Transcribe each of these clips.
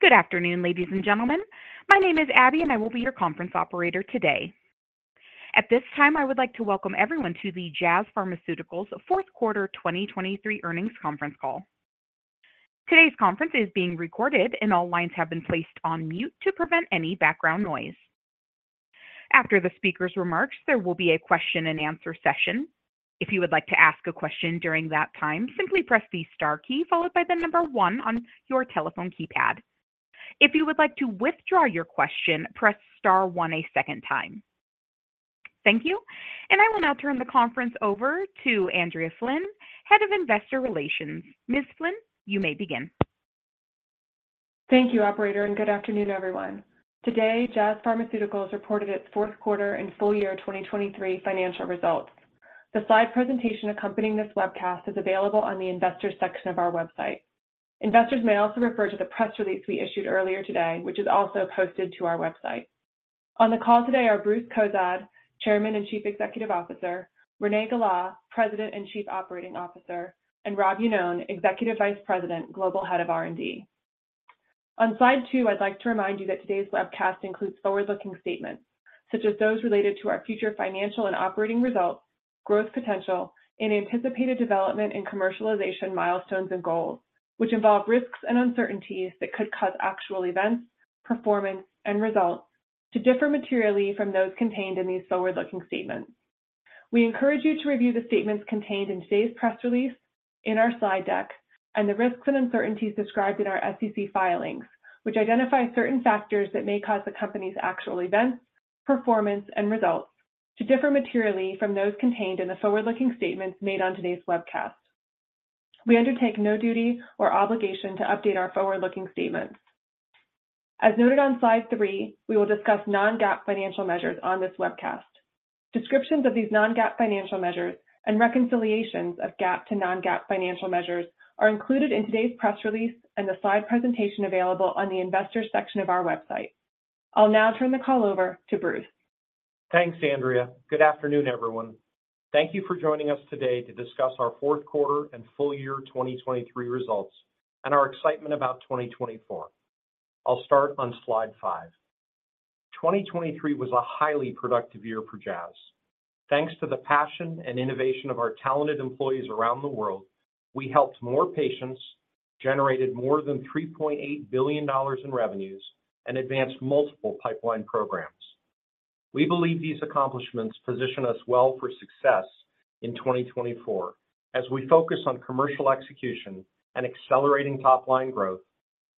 Good afternoon, ladies and gentlemen. My name is Abby, and I will be your conference operator today. At this time, I would like to welcome everyone to the Jazz Pharmaceuticals fourth quarter 2023 earnings conference call. Today's conference is being recorded, and all lines have been placed on mute to prevent any background noise. After the speaker's remarks, there will be a question-and-answer session. If you would like to ask a question during that time, simply press the star key followed by the number one on your telephone keypad. If you would like to withdraw your question, press star one a second time. Thank you. I will now turn the conference over to Andrea Flynn, Head of Investor Relations. Ms. Flynn, you may begin. Thank you, operator, and good afternoon, everyone. Today, Jazz Pharmaceuticals reported its fourth quarter and full year 2023 financial results. The slide presentation accompanying this webcast is available on the Investors section of our website. Investors may also refer to the press release we issued earlier today, which is also posted to our website. On the call today are Bruce Cozadd, Chairman and Chief Executive Officer; Renee Gala, President and Chief Operating Officer; and Rob Iannone, Executive Vice President, Global Head of R&D. On slide 2, I'd like to remind you that today's webcast includes forward-looking statements such as those related to our future financial and operating results, growth potential, and anticipated development and commercialization milestones and goals, which involve risks and uncertainties that could cause actual events, performance, and results to differ materially from those contained in these forward-looking statements. We encourage you to review the statements contained in today's press release, in our slide deck, and the risks and uncertainties described in our SEC filings, which identify certain factors that may cause the company's actual events, performance, and results to differ materially from those contained in the forward-looking statements made on today's webcast. We undertake no duty or obligation to update our forward-looking statements. As noted on slide 3, we will discuss non-GAAP financial measures on this webcast. Descriptions of these non-GAAP financial measures and reconciliations of GAAP to non-GAAP financial measures are included in today's press release and the slide presentation available on the investors section of our website. I'll now turn the call over to Bruce. Thanks, Andrea. Good afternoon, everyone. Thank you for joining us today to discuss our fourth quarter and full year 2023 results and our excitement about 2024. I'll start on slide 5. 2023 was a highly productive year for Jazz. Thanks to the passion and innovation of our talented employees around the world, we helped more patients, generated more than $3.8 billion in revenues, and advanced multiple pipeline programs. We believe these accomplishments position us well for success in 2024 as we focus on commercial execution and accelerating top-line growth,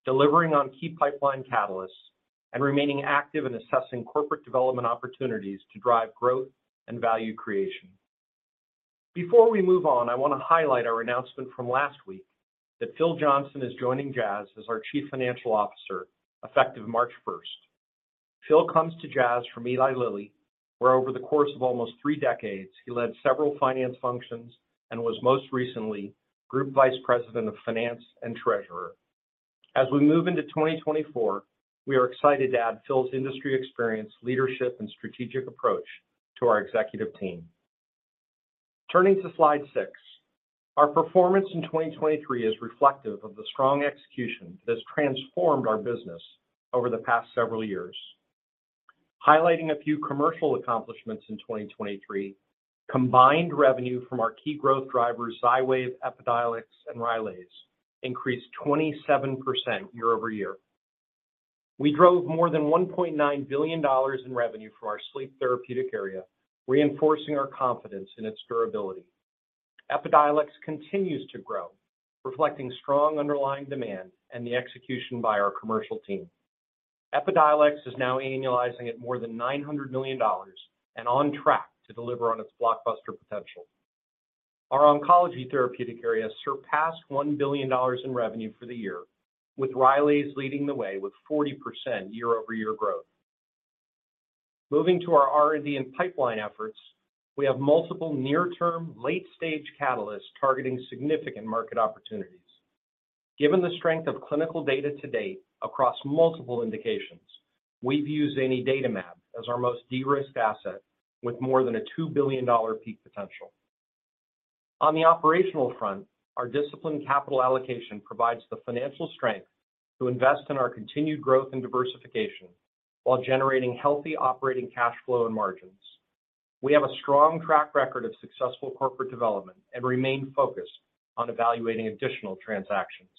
delivering on key pipeline catalysts, and remaining active in assessing corporate development opportunities to drive growth and value creation. Before we move on, I want to highlight our announcement from last week that Phil Johnson is joining Jazz as our Chief Financial Officer, effective March 1st. Phil comes to Jazz from Eli Lilly, where over the course of almost three decades, he led several finance functions and was most recently group vice president of finance and treasurer. As we move into 2024, we are excited to add Phil's industry experience, leadership, and strategic approach to our executive team. Turning to slide 6, our performance in 2023 is reflective of the strong execution that has transformed our business over the past several years. Highlighting a few commercial accomplishments in 2023, combined revenue from our key growth drivers, Xywav, Epidiolex, and Rylaze, increased 27% year-over-year. We drove more than $1.9 billion in revenue from our sleep therapeutic area, reinforcing our confidence in its durability. Epidiolex continues to grow, reflecting strong underlying demand and the execution by our commercial team. Epidiolex is now annualizing at more than $900 million and on track to deliver on its blockbuster potential. Our oncology therapeutic area surpassed $1 billion in revenue for the year, with Rylaze leading the way with 40% year-over-year growth. Moving to our R&D and pipeline efforts, we have multiple near-term, late-stage catalysts targeting significant market opportunities. Given the strength of clinical data to date across multiple indications, we view zanidatamab as our most de-risked asset with more than a $2 billion peak potential. On the operational front, our disciplined capital allocation provides the financial strength to invest in our continued growth and diversification while generating healthy operating cash flow and margins. We have a strong track record of successful corporate development and remain focused on evaluating additional transactions.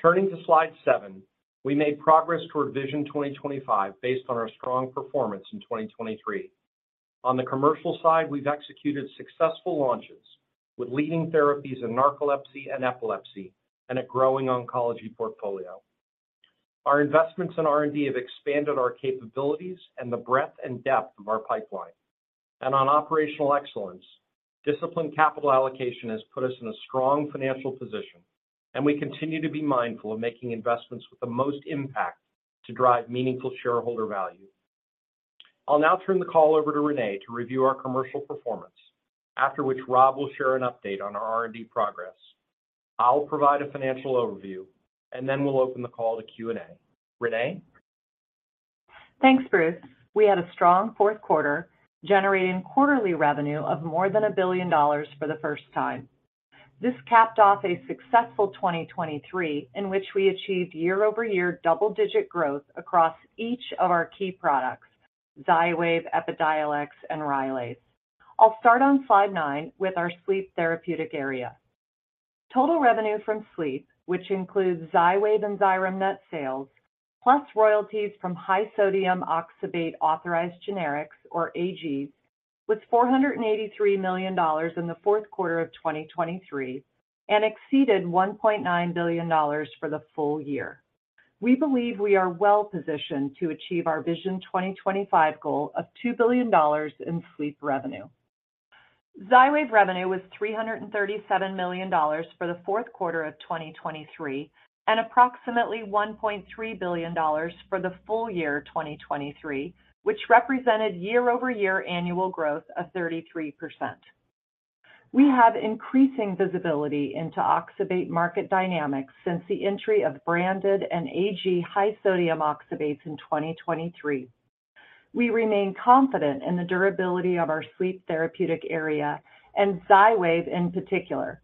Turning to slide seven, we made progress toward Vision 2025 based on our strong performance in 2023. On the commercial side, we've executed successful launches with leading therapies in narcolepsy and epilepsy and a growing oncology portfolio. Our investments in R&D have expanded our capabilities and the breadth and depth of our pipeline. On operational excellence, disciplined capital allocation has put us in a strong financial position, and we continue to be mindful of making investments with the most impact to drive meaningful shareholder value. I'll now turn the call over to Renee to review our commercial performance, after which Rob will share an update on our R&D progress. I'll provide a financial overview, and then we'll open the call to Q&A. Renee? Thanks, Bruce. We had a strong fourth quarter, generating quarterly revenue of more than $1 billion for the first time. This capped off a successful 2023 in which we achieved year-over-year double-digit growth across each of our key products, Xywav, Epidiolex, and Rylaze. I'll start on slide 9 with our sleep therapeutic area. Total revenue from sleep, which includes Xywav and Xyrem net sales, plus royalties from high-sodium oxybate authorized generics, or AGs, was $483 million in the fourth quarter of 2023 and exceeded $1.9 billion for the full year. We believe we are well positioned to achieve our vision 2025 goal of $2 billion in sleep revenue. Xywav revenue was $337 million for the fourth quarter of 2023 and approximately $1.3 billion for the full year 2023, which represented year-over-year annual growth of 33%. We have increasing visibility into oxybate market dynamics since the entry of branded and AG high-sodium oxybates in 2023. We remain confident in the durability of our sleep therapeutic area and Xywav in particular.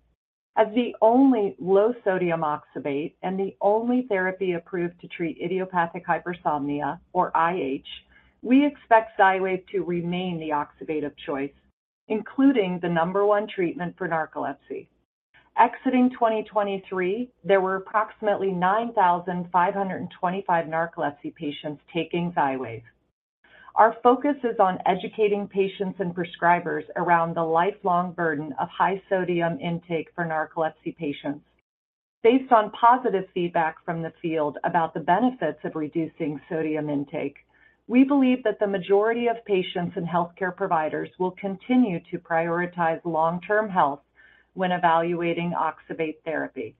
As the only low-sodium oxybate and the only therapy approved to treat idiopathic hypersomnia, or IH, we expect Xywav to remain the oxybate of choice, including the number one treatment for narcolepsy. Exiting 2023, there were approximately 9,525 narcolepsy patients taking Xywav. Our focus is on educating patients and prescribers around the lifelong burden of high-sodium intake for narcolepsy patients. Based on positive feedback from the field about the benefits of reducing sodium intake, we believe that the majority of patients and healthcare providers will continue to prioritize long-term health when evaluating oxybate therapy.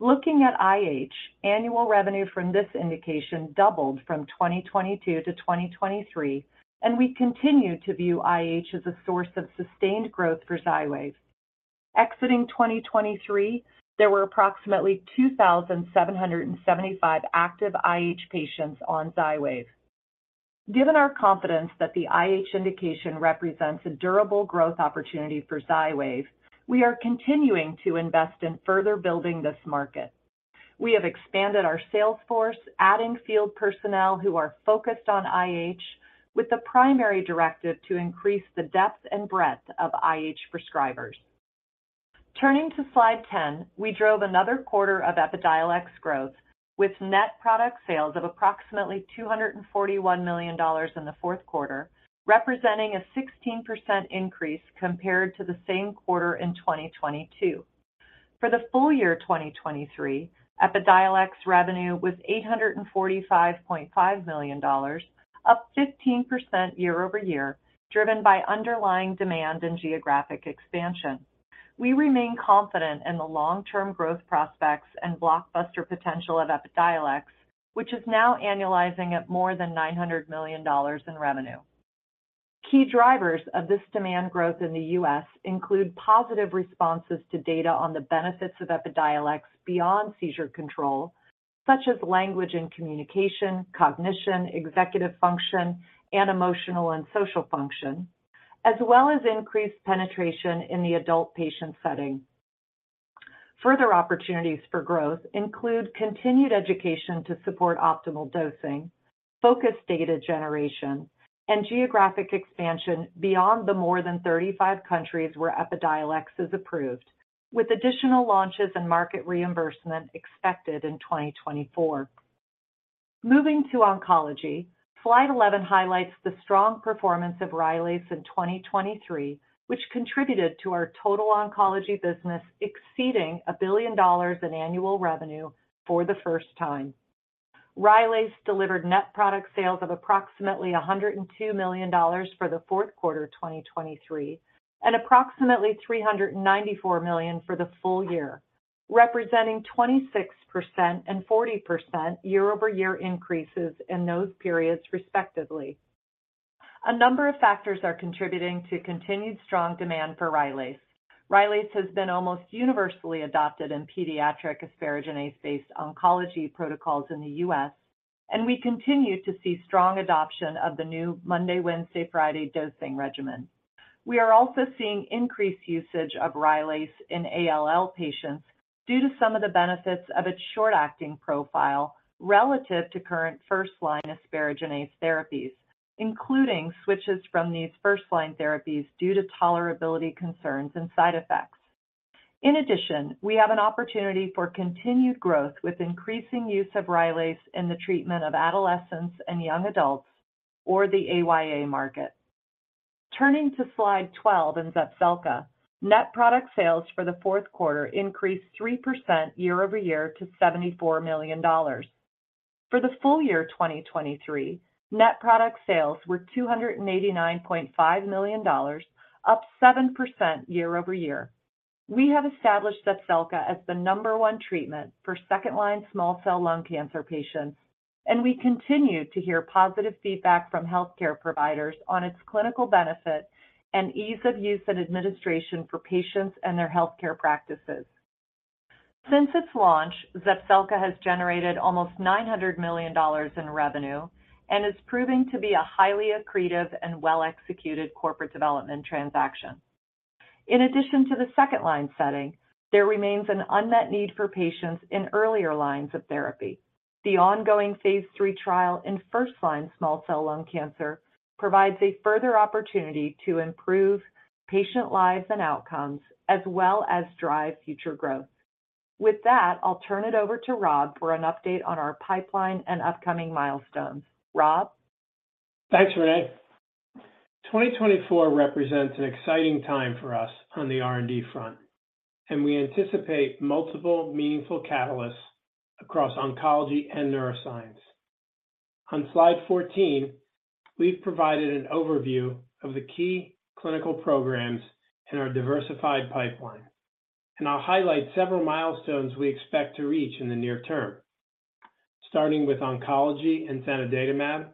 Looking at IH, annual revenue from this indication doubled from 2022 to 2023, and we continue to view IH as a source of sustained growth for Xywav. Exiting 2023, there were approximately 2,775 active IH patients on Xywav. Given our confidence that the IH indication represents a durable growth opportunity for Xywav, we are continuing to invest in further building this market. We have expanded our sales force, adding field personnel who are focused on IH with the primary directive to increase the depth and breadth of IH prescribers. Turning to slide 10, we drove another quarter of Epidiolex growth with net product sales of approximately $241 million in the fourth quarter, representing a 16% increase compared to the same quarter in 2022. For the full year 2023, Epidiolex revenue was $845.5 million, up 15% year-over-year, driven by underlying demand and geographic expansion. We remain confident in the long-term growth prospects and blockbuster potential of Epidiolex, which is now annualizing at more than $900 million in revenue. Key drivers of this demand growth in the U.S. include positive responses to data on the benefits of Epidiolex beyond seizure control, such as language and communication, cognition, executive function, and emotional and social function, as well as increased penetration in the adult patient setting. Further opportunities for growth include continued education to support optimal dosing, focused data generation, and geographic expansion beyond the more than 35 countries where Epidiolex is approved, with additional launches and market reimbursement expected in 2024. Moving to oncology, slide 11 highlights the strong performance of Rylaze in 2023, which contributed to our total oncology business exceeding $1 billion in annual revenue for the first time. Rylaze delivered net product sales of approximately $102 million for the fourth quarter 2023 and approximately $394 million for the full year, representing 26% and 40% year-over-year increases in those periods, respectively. A number of factors are contributing to continued strong demand for Rylaze. Rylaze has been almost universally adopted in pediatric asparaginase-based oncology protocols in the U.S., and we continue to see strong adoption of the new Monday, Wednesday, Friday dosing regimen. We are also seeing increased usage of Rylaze in ALL patients due to some of the benefits of its short-acting profile relative to current first-line asparaginase therapies, including switches from these first-line therapies due to tolerability concerns and side effects. In addition, we have an opportunity for continued growth with increasing use of Rylaze in the treatment of adolescents and young adults, or the AYA market. Turning to slide 12 in Zepzelca, net product sales for the fourth quarter increased 3% year-over-year to $74 million. For the full year 2023, net product sales were $289.5 million, up 7% year-over-year. We have established Zepzelca as the number one treatment for second-line small-cell lung cancer patients, and we continue to hear positive feedback from healthcare providers on its clinical benefit and ease of use and administration for patients and their healthcare practices. Since its launch, Zepzelca has generated almost $900 million in revenue and is proving to be a highly accretive and well-executed corporate development transaction. In addition to the second-line setting, there remains an unmet need for patients in earlier lines of therapy. The ongoing phase III trial in first-line small-cell lung cancer provides a further opportunity to improve patient lives and outcomes, as well as drive future growth. With that, I'll turn it over to Rob for an update on our pipeline and upcoming milestones. Rob? Thanks, Renee. 2024 represents an exciting time for us on the R&D front, and we anticipate multiple meaningful catalysts across oncology and neuroscience. On Slide 14, we've provided an overview of the key clinical programs in our diversified pipeline, and I'll highlight several milestones we expect to reach in the near term. Starting with oncology and zanidatamab,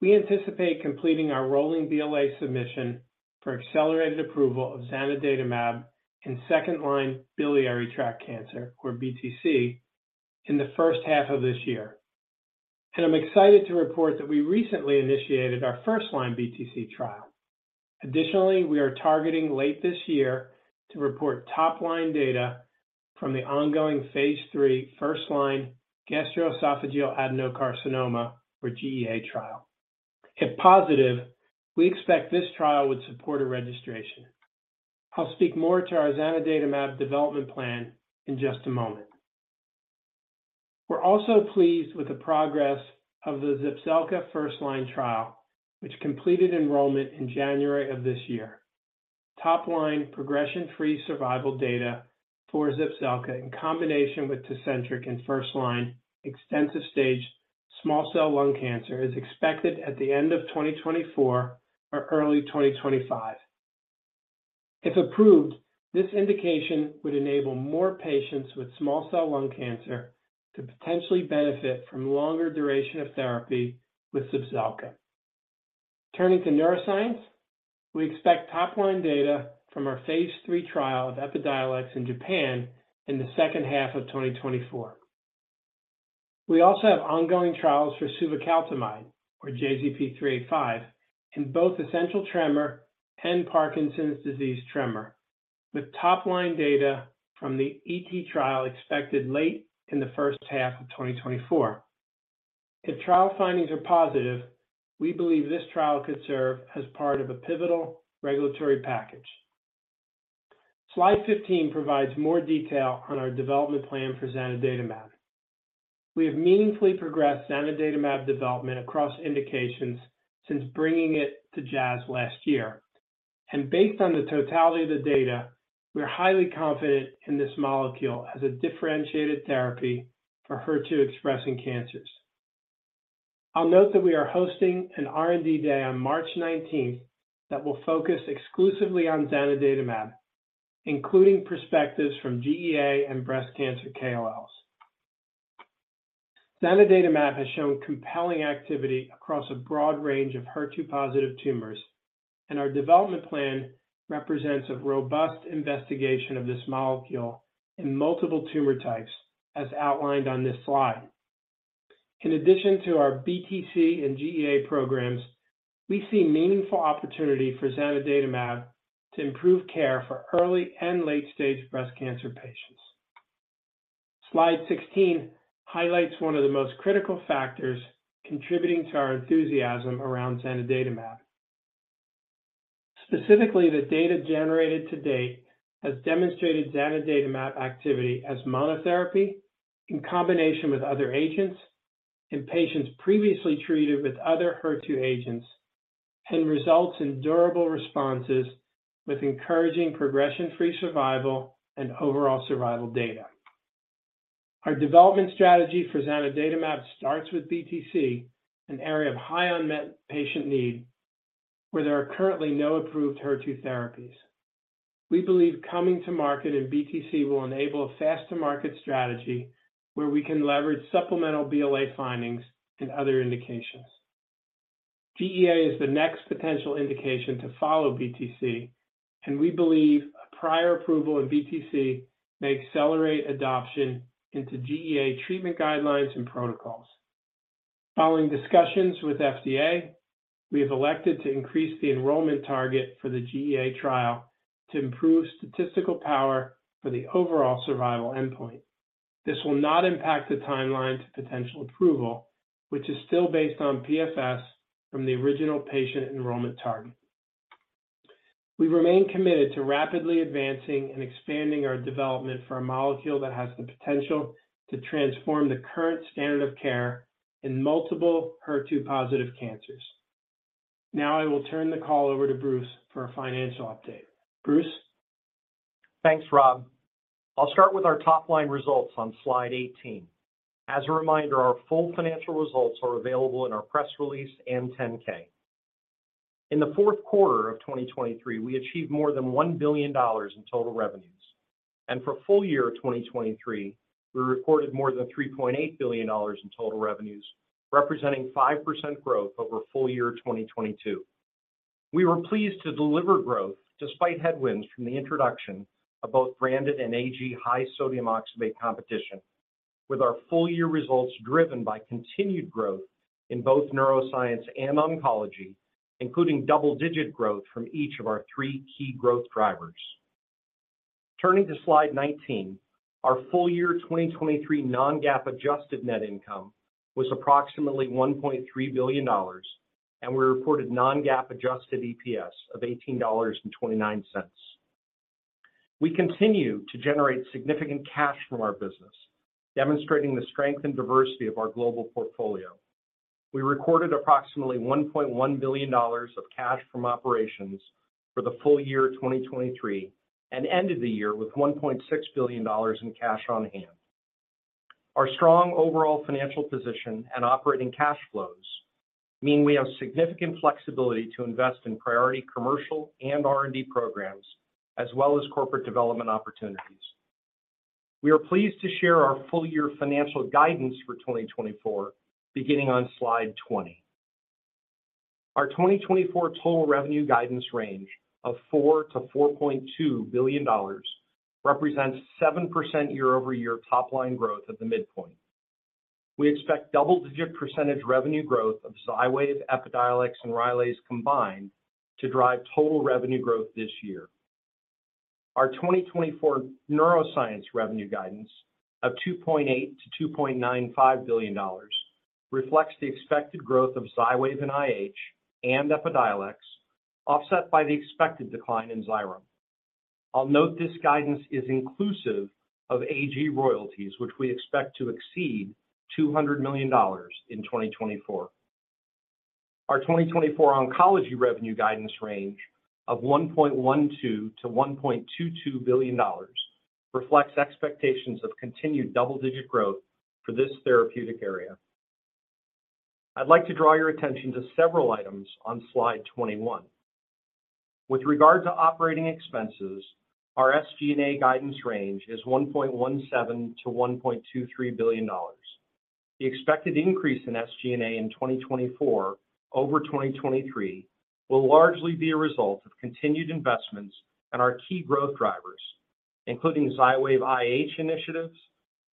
we anticipate completing our rolling BLA submission for accelerated approval of zanidatamab in second-line biliary tract cancer, or BTC, in the first half of this year. And I'm excited to report that we recently initiated our first-line BTC trial. Additionally, we are targeting late this year to report top-line data from the ongoing phase III first-line gastroesophageal adenocarcinoma, or GEA, trial. If positive, we expect this trial would support a registration. I'll speak more to our zanidatamab development plan in just a moment. We're also pleased with the progress of the Zepzelca first-line trial, which completed enrollment in January of this year. Top-line progression-free survival data for Zepzelca in combination with Tecentriq in first-line extensive-stage small-cell lung cancer is expected at the end of 2024 or early 2025. If approved, this indication would enable more patients with small-cell lung cancer to potentially benefit from longer duration of therapy with Zepzelca. Turning to neuroscience, we expect top-line data from our phase III trial of Epidiolex in Japan in the second half of 2024. We also have ongoing trials for suvecaltamide, or JZP385, in both essential tremor and Parkinson's disease tremor, with top-line data from the ET trial expected late in the first half of 2024. If trial findings are positive, we believe this trial could serve as part of a pivotal regulatory package. Slide 15 provides more detail on our development plan for zanidatamab. We have meaningfully progressed zanidatamab development across indications since bringing it to Jazz last year, and based on the totality of the data, we're highly confident in this molecule as a differentiated therapy for HER2-expressing cancers. I'll note that we are hosting an R&D day on March 19th that will focus exclusively on zanidatamab, including perspectives from GEA and breast cancer KOLs. zanidatamab has shown compelling activity across a broad range of HER2-positive tumors, and our development plan represents a robust investigation of this molecule in multiple tumor types, as outlined on this slide. In addition to our BTC and GEA programs, we see meaningful opportunity for zanidatamab to improve care for early and late-stage breast cancer patients. Slide 16 highlights one of the most critical factors contributing to our enthusiasm around zanidatamab. Specifically, the data generated to date has demonstrated zanidatamab activity as monotherapy in combination with other agents in patients previously treated with other HER2 agents and results in durable responses with encouraging progression-free survival and overall survival data. Our development strategy for zanidatamab starts with BTC, an area of high unmet patient need where there are currently no approved HER2 therapies. We believe coming to market in BTC will enable a fast-to-market strategy where we can leverage supplemental BLA findings and other indications. GEA is the next potential indication to follow BTC, and we believe a prior approval in BTC may accelerate adoption into GEA treatment guidelines and protocols. Following discussions with FDA, we have elected to increase the enrollment target for the GEA trial to improve statistical power for the overall survival endpoint. This will not impact the timeline to potential approval, which is still based on PFS from the original patient enrollment target. We remain committed to rapidly advancing and expanding our development for a molecule that has the potential to transform the current standard of care in multiple HER2-positive cancers. Now, I will turn the call over to Bruce for a financial update. Bruce? Thanks, Rob. I'll start with our top-line results on slide 18. As a reminder, our full financial results are available in our press release and 10-K. In the fourth quarter of 2023, we achieved more than $1 billion in total revenues, and for full year 2023, we recorded more than $3.8 billion in total revenues, representing 5% growth over full year 2022. We were pleased to deliver growth despite headwinds from the introduction of both branded and AG high-sodium oxybate competition, with our full year results driven by continued growth in both neuroscience and oncology, including double-digit growth from each of our three key growth drivers. Turning to slide 19, our full year 2023 non-GAAP adjusted net income was approximately $1.3 billion, and we reported non-GAAP adjusted EPS of $18.29. We continue to generate significant cash from our business, demonstrating the strength and diversity of our global portfolio. We recorded approximately $1.1 billion of cash from operations for the full year 2023 and ended the year with $1.6 billion in cash on hand. Our strong overall financial position and operating cash flows mean we have significant flexibility to invest in priority commercial and R&D programs, as well as corporate development opportunities. We are pleased to share our full year financial guidance for 2024, beginning on slide 20. Our 2024 total revenue guidance range of $4-$4.2 billion represents 7% year-over-year top-line growth at the midpoint. We expect double-digit percentage revenue growth of Xywav, Epidiolex, and Rylaze combined to drive total revenue growth this year. Our 2024 neuroscience revenue guidance of $2.8-$2.95 billion reflects the expected growth of Xywav and IH and Epidiolex, offset by the expected decline in Xyrem. I'll note this guidance is inclusive of AG royalties, which we expect to exceed $200 million in 2024. Our 2024 oncology revenue guidance range of $1.12-$1.22 billion reflects expectations of continued double-digit growth for this therapeutic area. I'd like to draw your attention to several items on slide 21. With regard to operating expenses, our SG&A guidance range is $1.17-$1.23 billion. The expected increase in SG&A in 2024 over 2023 will largely be a result of continued investments in our key growth drivers, including Xywav IH initiatives,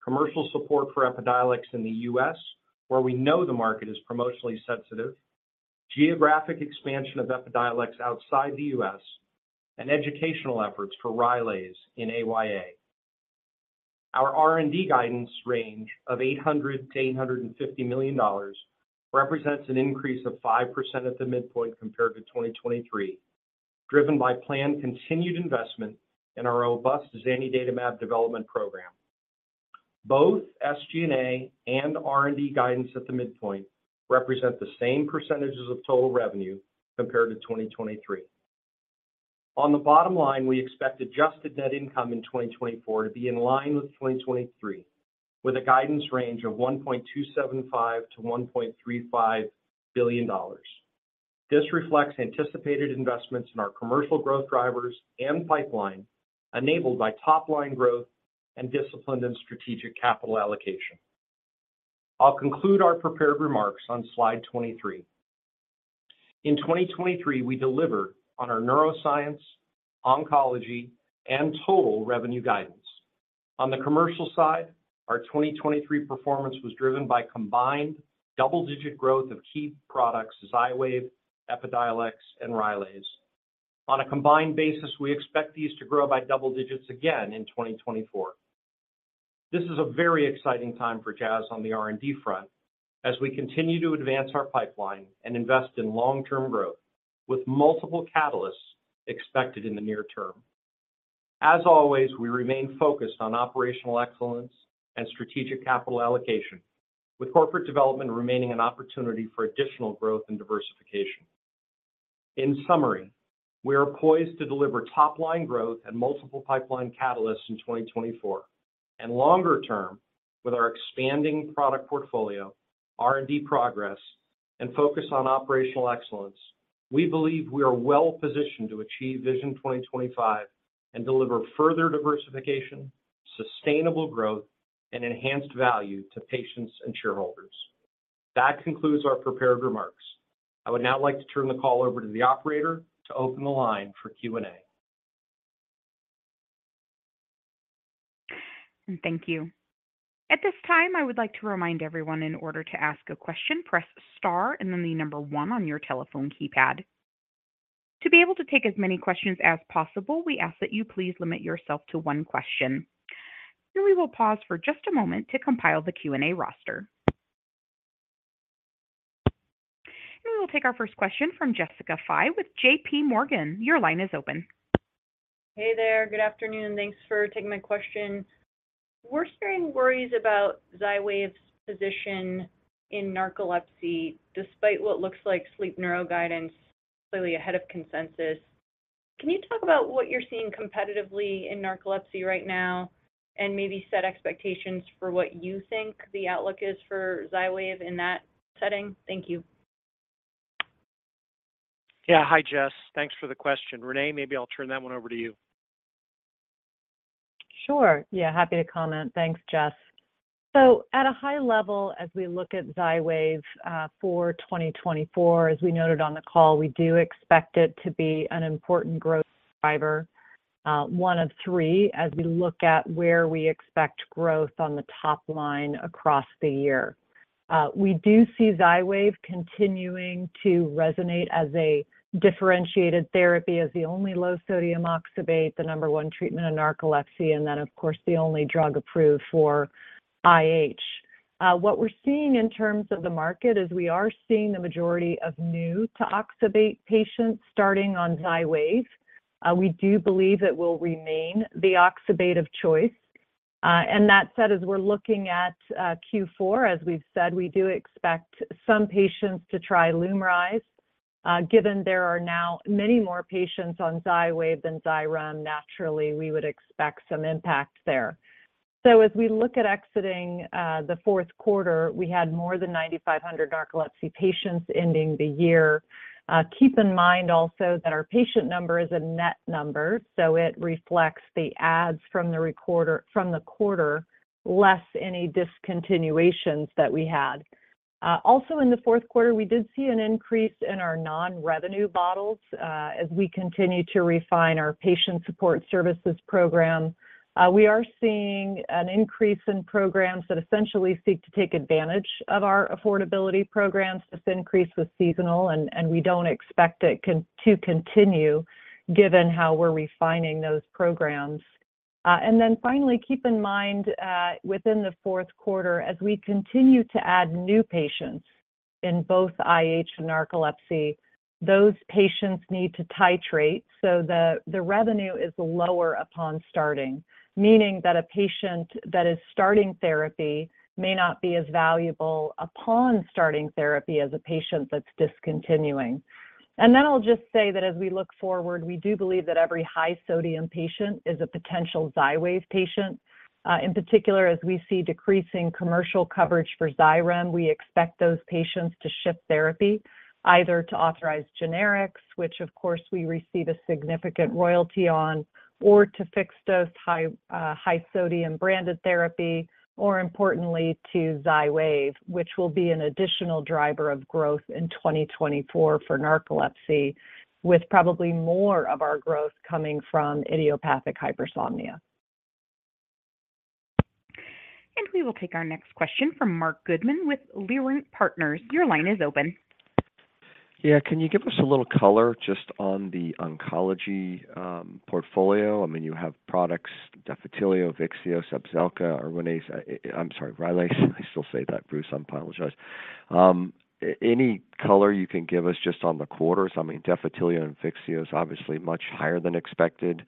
commercial support for Epidiolex in the U.S., where we know the market is promotionally sensitive, geographic expansion of Epidiolex outside the U.S., and educational efforts for Rylaze in AYA. Our R&D guidance range of $800-$850 million represents an increase of 5% at the midpoint compared to 2023, driven by planned continued investment in our robust zanidatamab development program. Both SG&A and R&D guidance at the midpoint represent the same percentages of total revenue compared to 2023. On the bottom line, we expect adjusted net income in 2024 to be in line with 2023, with a guidance range of $1.275-$1.35 billion. This reflects anticipated investments in our commercial growth drivers and pipeline, enabled by top-line growth and disciplined and strategic capital allocation. I'll conclude our prepared remarks on slide 23. In 2023, we delivered on our neuroscience, oncology, and total revenue guidance. On the commercial side, our 2023 performance was driven by combined double-digit growth of key products Xywav, Epidiolex, and Rylaze. On a combined basis, we expect these to grow by double digits again in 2024. This is a very exciting time for Jazz on the R&D front, as we continue to advance our pipeline and invest in long-term growth, with multiple catalysts expected in the near term. As always, we remain focused on operational excellence and strategic capital allocation, with corporate development remaining an opportunity for additional growth and diversification. In summary, we are poised to deliver top-line growth and multiple pipeline catalysts in 2024. Longer term, with our expanding product portfolio, R&D progress, and focus on operational excellence, we believe we are well-positioned to achieve Vision 2025 and deliver further diversification, sustainable growth, and enhanced value to patients and shareholders. That concludes our prepared remarks. I would now like to turn the call over to the operator to open the line for Q&A. Thank you. At this time, I would like to remind everyone, in order to ask a question, press star and then the number one on your telephone keypad. To be able to take as many questions as possible, we ask that you please limit yourself to one question. Then we will pause for just a moment to compile the Q&A roster. And we will take our first question from Jessica Fye with J.P. Morgan. Your line is open. Hey there. Good afternoon. Thanks for taking my question. We're hearing worries about Xywav's position in narcolepsy, despite what looks like sleep neuroguidance clearly ahead of consensus. Can you talk about what you're seeing competitively in narcolepsy right now and maybe set expectations for what you think the outlook is for Xywav in that setting? Thank you. Yeah. Hi, Jess. Thanks for the question. Renee, maybe I'll turn that one over to you. Sure. Yeah. Happy to comment. Thanks, Jess. So at a high level, as we look at Xywav for 2024, as we noted on the call, we do expect it to be an important growth driver, one of three, as we look at where we expect growth on the top line across the year. We do see Xywav continuing to resonate as a differentiated therapy, as the only low-sodium oxybate, the number one treatment in narcolepsy, and then, of course, the only drug approved for IH. What we're seeing in terms of the market is we are seeing the majority of new-to-oxybate patients starting on Xywav. We do believe it will remain the oxybate choice. And that said, as we're looking at Q4, as we've said, we do expect some patients to try Lumryz. Given there are now many more patients on Xywav than Xyrem, naturally, we would expect some impact there. So as we look at exiting the fourth quarter, we had more than 9,500 narcolepsy patients ending the year. Keep in mind also that our patient number is a net number, so it reflects the adds from the quarter, less any discontinuations that we had. Also, in the fourth quarter, we did see an increase in our non-revenue bottles. As we continue to refine our patient support services program, we are seeing an increase in programs that essentially seek to take advantage of our affordability programs. This increase was seasonal, and we don't expect it to continue, given how we're refining those programs. And then finally, keep in mind, within the fourth quarter, as we continue to add new patients in both IH and narcolepsy, those patients need to titrate, so the revenue is lower upon starting, meaning that a patient that is starting therapy may not be as valuable upon starting therapy as a patient that's discontinuing. And then I'll just say that as we look forward, we do believe that every high-sodium patient is a potential Xywav patient. In particular, as we see decreasing commercial coverage for Xyrem, we expect those patients to shift therapy, either to authorized generics, which, of course, we receive a significant royalty on, or to fixed-dose high-sodium branded therapy, or importantly, to Xywav, which will be an additional driver of growth in 2024 for narcolepsy, with probably more of our growth coming from idiopathic hypersomnia. We will take our next question from Marc Goodman with Leerink Partners. Your line is open. Yeah. Can you give us a little color just on the oncology portfolio? I mean, you have products Defitelio, Vyxeos, Zepzelca, Rylaze, I'm sorry, Rylaze. I still say that, Bruce. I apologize. Any color you can give us just on the quarters. I mean, Defitelio and Vyxeos is obviously much higher than expected.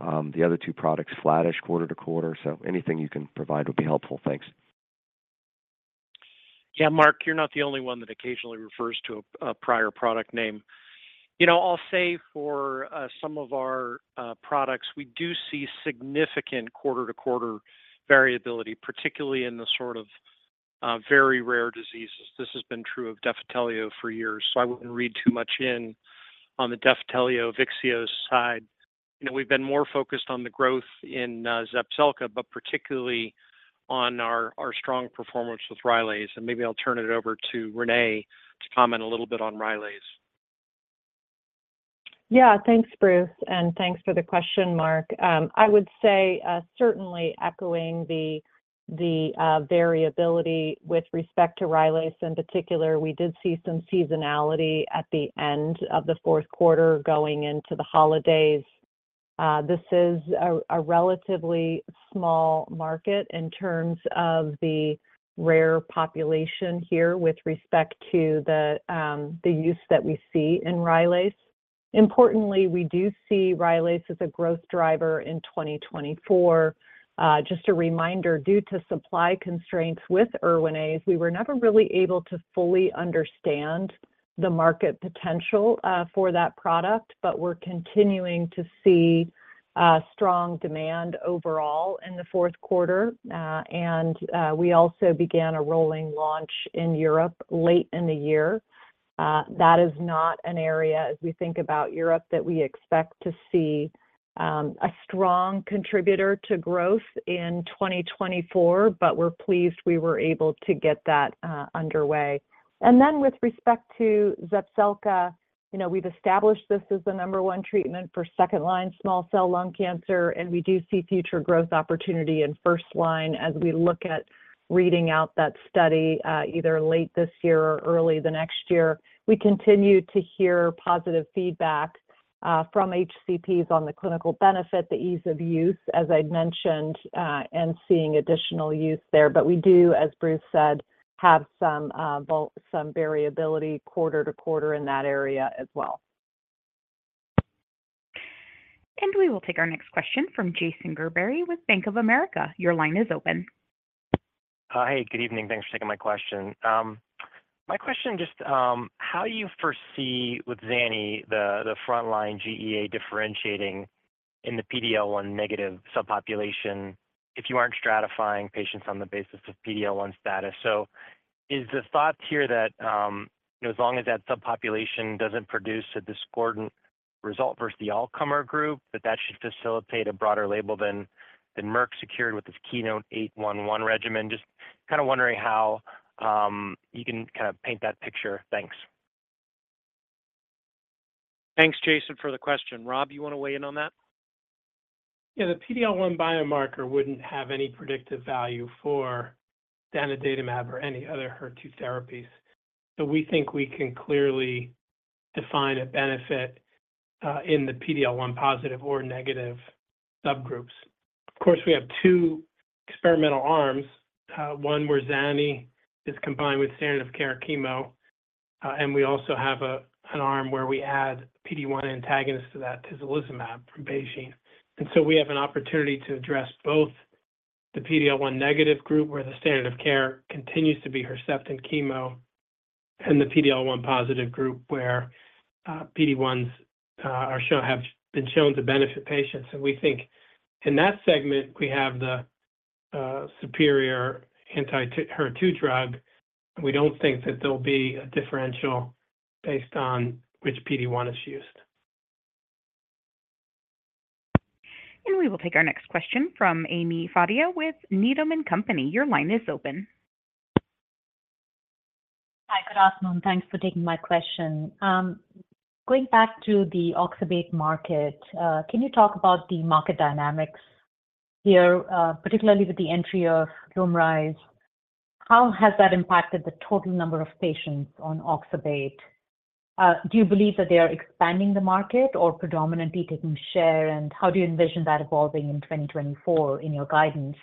The other two products flattish quarter-over-quarter. So anything you can provide would be helpful. Thanks. Yeah. Mark, you're not the only one that occasionally refers to a prior product name. I'll say for some of our products, we do see significant quarter-to-quarter variability, particularly in the sort of very rare diseases. This has been true of Defitelio for years, so I wouldn't read too much in on the Defitelio, Vyxeos side. We've been more focused on the growth in Zepzelca, but particularly on our strong performance with Rylaze. And maybe I'll turn it over to Renee to comment a little bit on Rylaze. Yeah. Thanks, Bruce. And thanks for the question, Mark. I would say certainly echoing the variability with respect to Rylaze in particular, we did see some seasonality at the end of the fourth quarter going into the holidays. This is a relatively small market in terms of the rare population here with respect to the use that we see in Rylaze. Importantly, we do see Rylaze as a growth driver in 2024. Just a reminder, due to supply constraints with Erwinaze, we were never really able to fully understand the market potential for that product, but we're continuing to see strong demand overall in the fourth quarter. And we also began a rolling launch in Europe late in the year. That is not an area, as we think about Europe, that we expect to see a strong contributor to growth in 2024, but we're pleased we were able to get that underway. And then with respect to Zepzelca, we've established this as the number one treatment for second-line small-cell lung cancer, and we do see future growth opportunity in first line. As we look at reading out that study, either late this year or early the next year, we continue to hear positive feedback from HCPs on the clinical benefit, the ease of use, as I'd mentioned, and seeing additional use there. But we do, as Bruce said, have some variability quarter to quarter in that area as well. We will take our next question from Jason Gerberry with Bank of America. Your line is open. Hey. Good evening. Thanks for taking my question. My question just, how do you foresee with zanidatamab the front-line GEA differentiating in the PD-L1 negative subpopulation if you aren't stratifying patients on the basis of PD-L1 status? So is the thought here that as long as that subpopulation doesn't produce a discordant result versus the all-comer group, that that should facilitate a broader label than Merck secured with its Keynote-811 regimen? Just kind of wondering how you can kind of paint that picture. Thanks. Thanks, Jason, for the question. Rob, you want to weigh in on that? Yeah. The PD-L1 biomarker wouldn't have any predictive value for zanidatamab or any other HER2 therapies. So we think we can clearly define a benefit in the PD-L1 positive or negative subgroups. Of course, we have two experimental arms. One where Zana is combined with standard-of-care chemo, and we also have an arm where we add PD-1 antagonists to that, Tislelizumab from BeiGene. And so we have an opportunity to address both the PD-L1 negative group, where the standard-of-care continues to be Herceptin chemo, and the PD-L1 positive group, where PD-1s have been shown to benefit patients. And we think in that segment, we have the superior anti-HER2 drug. We don't think that there'll be a differential based on which PD-1 is used. We will take our next question from Ami Fadia with Needham & Company. Your line is open. Hi. Good afternoon. Thanks for taking my question. Going back to the oxybate market, can you talk about the market dynamics here, particularly with the entry of Lumryz? How has that impacted the total number of patients on oxybate? Do you believe that they are expanding the market or predominantly taking share, and how do you envision that evolving in 2024 in your guidance?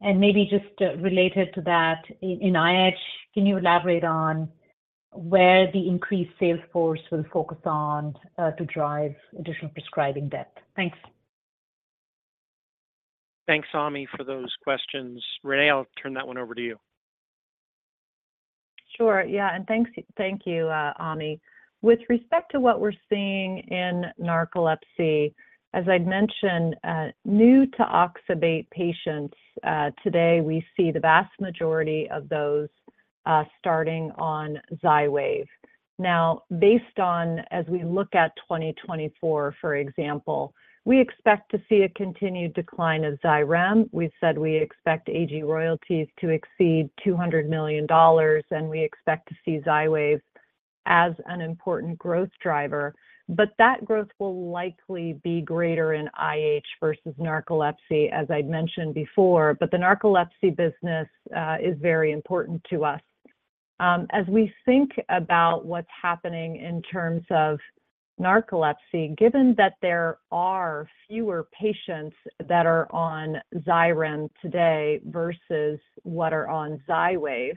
And maybe just related to that, in IH, can you elaborate on where the increased sales force will focus on to drive additional prescribing depth? Thanks. Thanks, Ami, for those questions. Renee, I'll turn that one over to you. Sure. Yeah. And thank you, Ami. With respect to what we're seeing in narcolepsy, as I'd mentioned, new-to-oxybate patients, today we see the vast majority of those starting on Xywav. Now, based on, as we look at 2024, for example, we expect to see a continued decline of Xyrem. We've said we expect AG royalties to exceed $200 million, and we expect to see Xywav as an important growth driver. But that growth will likely be greater in IH versus narcolepsy, as I'd mentioned before, but the narcolepsy business is very important to us. As we think about what's happening in terms of narcolepsy, given that there are fewer patients that are on Xyrem today versus what are on Xywav,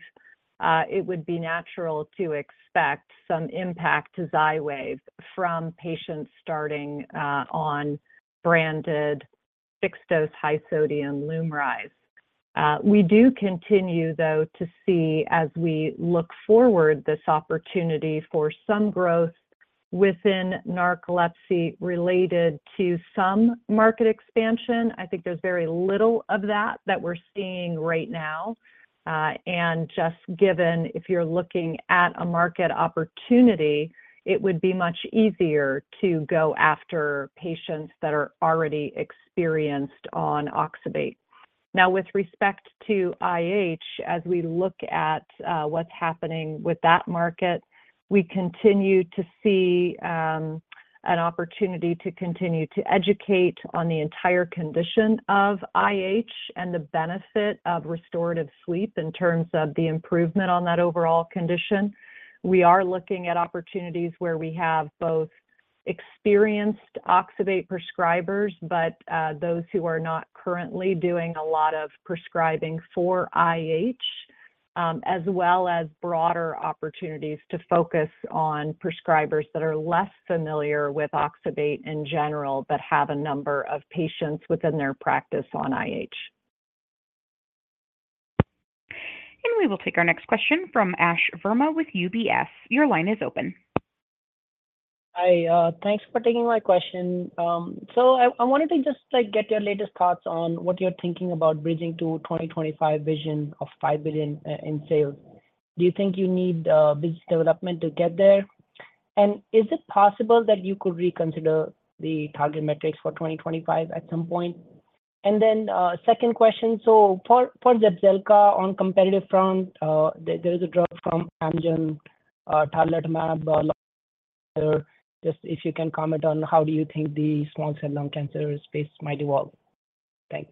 it would be natural to expect some impact to Xywav from patients starting on branded fixed-dose high-sodium Lumryz. We do continue, though, to see, as we look forward, this opportunity for some growth within narcolepsy related to some market expansion. I think there's very little of that that we're seeing right now. And just given if you're looking at a market opportunity, it would be much easier to go after patients that are already experienced on oxybate. Now, with respect to IH, as we look at what's happening with that market, we continue to see an opportunity to continue to educate on the entire condition of IH and the benefit of restorative sleep in terms of the improvement on that overall condition. We are looking at opportunities where we have both experienced oxybate prescribers but those who are not currently doing a lot of prescribing for IH, as well as broader opportunities to focus on prescribers that are less familiar with oxybate in general but have a number of patients within their practice on IH. We will take our next question from Ash Verma with UBS. Your line is open. Hi. Thanks for taking my question. So I wanted to just get your latest thoughts on what you're thinking about bridging to 2025 vision of $5 billion in sales. Do you think you need business development to get there? And is it possible that you could reconsider the target metrics for 2025 at some point? And then second question, so for Zepzelca, on the competitive front, there is a drug from Amgen, Tarlatamab, just if you can comment on how do you think the small-cell lung cancer space might evolve. Thanks.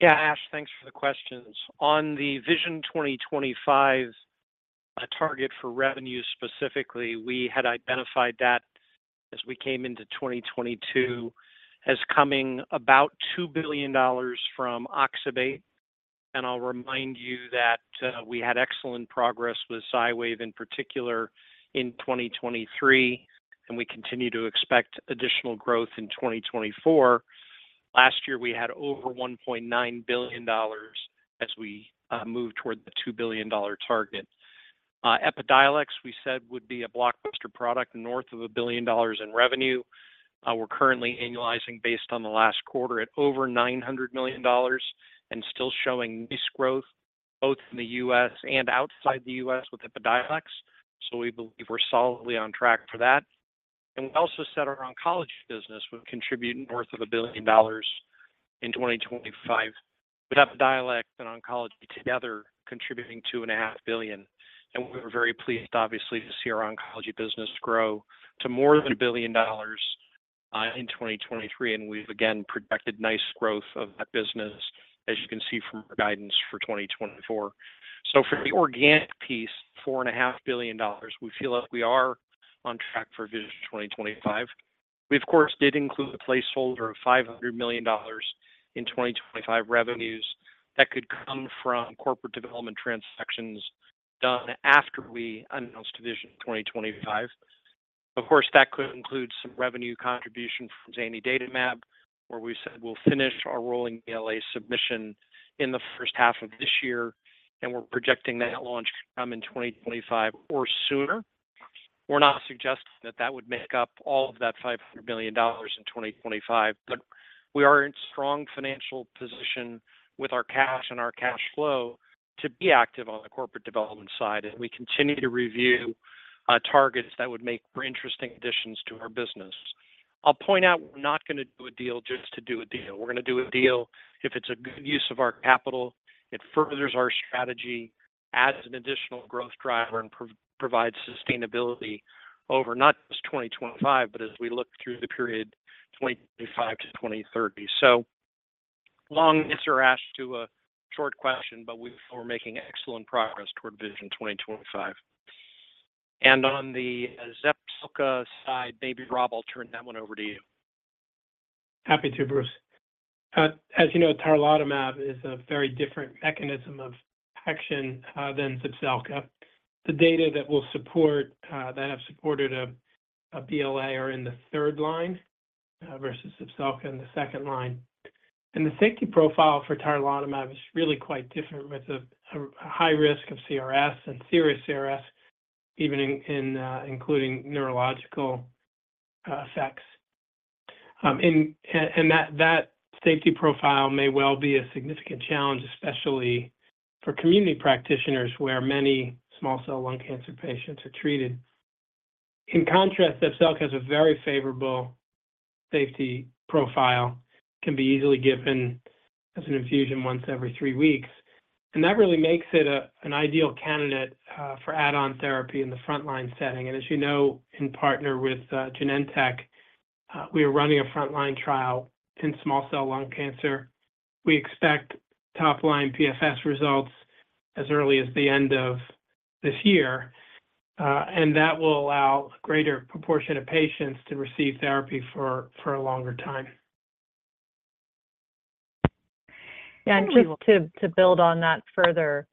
Yeah. Ash, thanks for the questions. On the Vision 2025 target for revenue specifically, we had identified that as we came into 2022 as coming about $2 billion from oxybate. And I'll remind you that we had excellent progress with Xywav in particular in 2023, and we continue to expect additional growth in 2024. Last year, we had over $1.9 billion as we moved toward the $2 billion target. Epidiolex, we said, would be a blockbuster product north of $1 billion in revenue. We're currently annualizing based on the last quarter at over $900 million and still showing nice growth both in the U.S. and outside the U.S. with Epidiolex. So we believe we're solidly on track for that. And we also said our oncology business would contribute north of $1 billion in 2025 with Epidiolex and oncology together contributing $2.5 billion. We were very pleased, obviously, to see our oncology business grow to more than $1 billion in 2023. We've, again, projected nice growth of that business, as you can see from our guidance for 2024. For the organic piece, $4.5 billion, we feel like we are on track for Vision 2025. We, of course, did include a placeholder of $500 million in 2025 revenues that could come from corporate development transactions done after we announced Vision 2025. Of course, that could include some revenue contribution from zanidatamab, where we said we'll finish our rolling BLA submission in the first half of this year, and we're projecting that launch could come in 2025 or sooner. We're not suggesting that that would make up all of that $500 million in 2025, but we are in a strong financial position with our cash and our cash flow to be active on the corporate development side. We continue to review targets that would make for interesting additions to our business. I'll point out we're not going to do a deal just to do a deal. We're going to do a deal if it's a good use of our capital, it furthers our strategy, adds an additional growth driver, and provides sustainability over not just 2025 but as we look through the period 2025 to 2030. So long answer, Ash, to a short question, but we feel we're making excellent progress toward Vision 2025. On the Zepzelca side, maybe, Rob, I'll turn that one over to you. Happy to, Bruce. As you know, Tarlatamab is a very different mechanism of action than Zepzelca. The data that will support that have supported a BLA are in the third line versus Zepzelca in the second line. And the safety profile for Tarlatamab is really quite different with a high risk of CRS and serious CRS, even including neurological effects. And that safety profile may well be a significant challenge, especially for community practitioners where many small-cell lung cancer patients are treated. In contrast, Zepzelca has a very favorable safety profile, can be easily given as an infusion once every three weeks. And that really makes it an ideal candidate for add-on therapy in the front-line setting. And as you know, in partnership with Genentech, we are running a front-line trial in small-cell lung cancer. We expect top-line PFS results as early as the end of this year. That will allow a greater proportion of patients to receive therapy for a longer time. Yeah. And just to build on that further,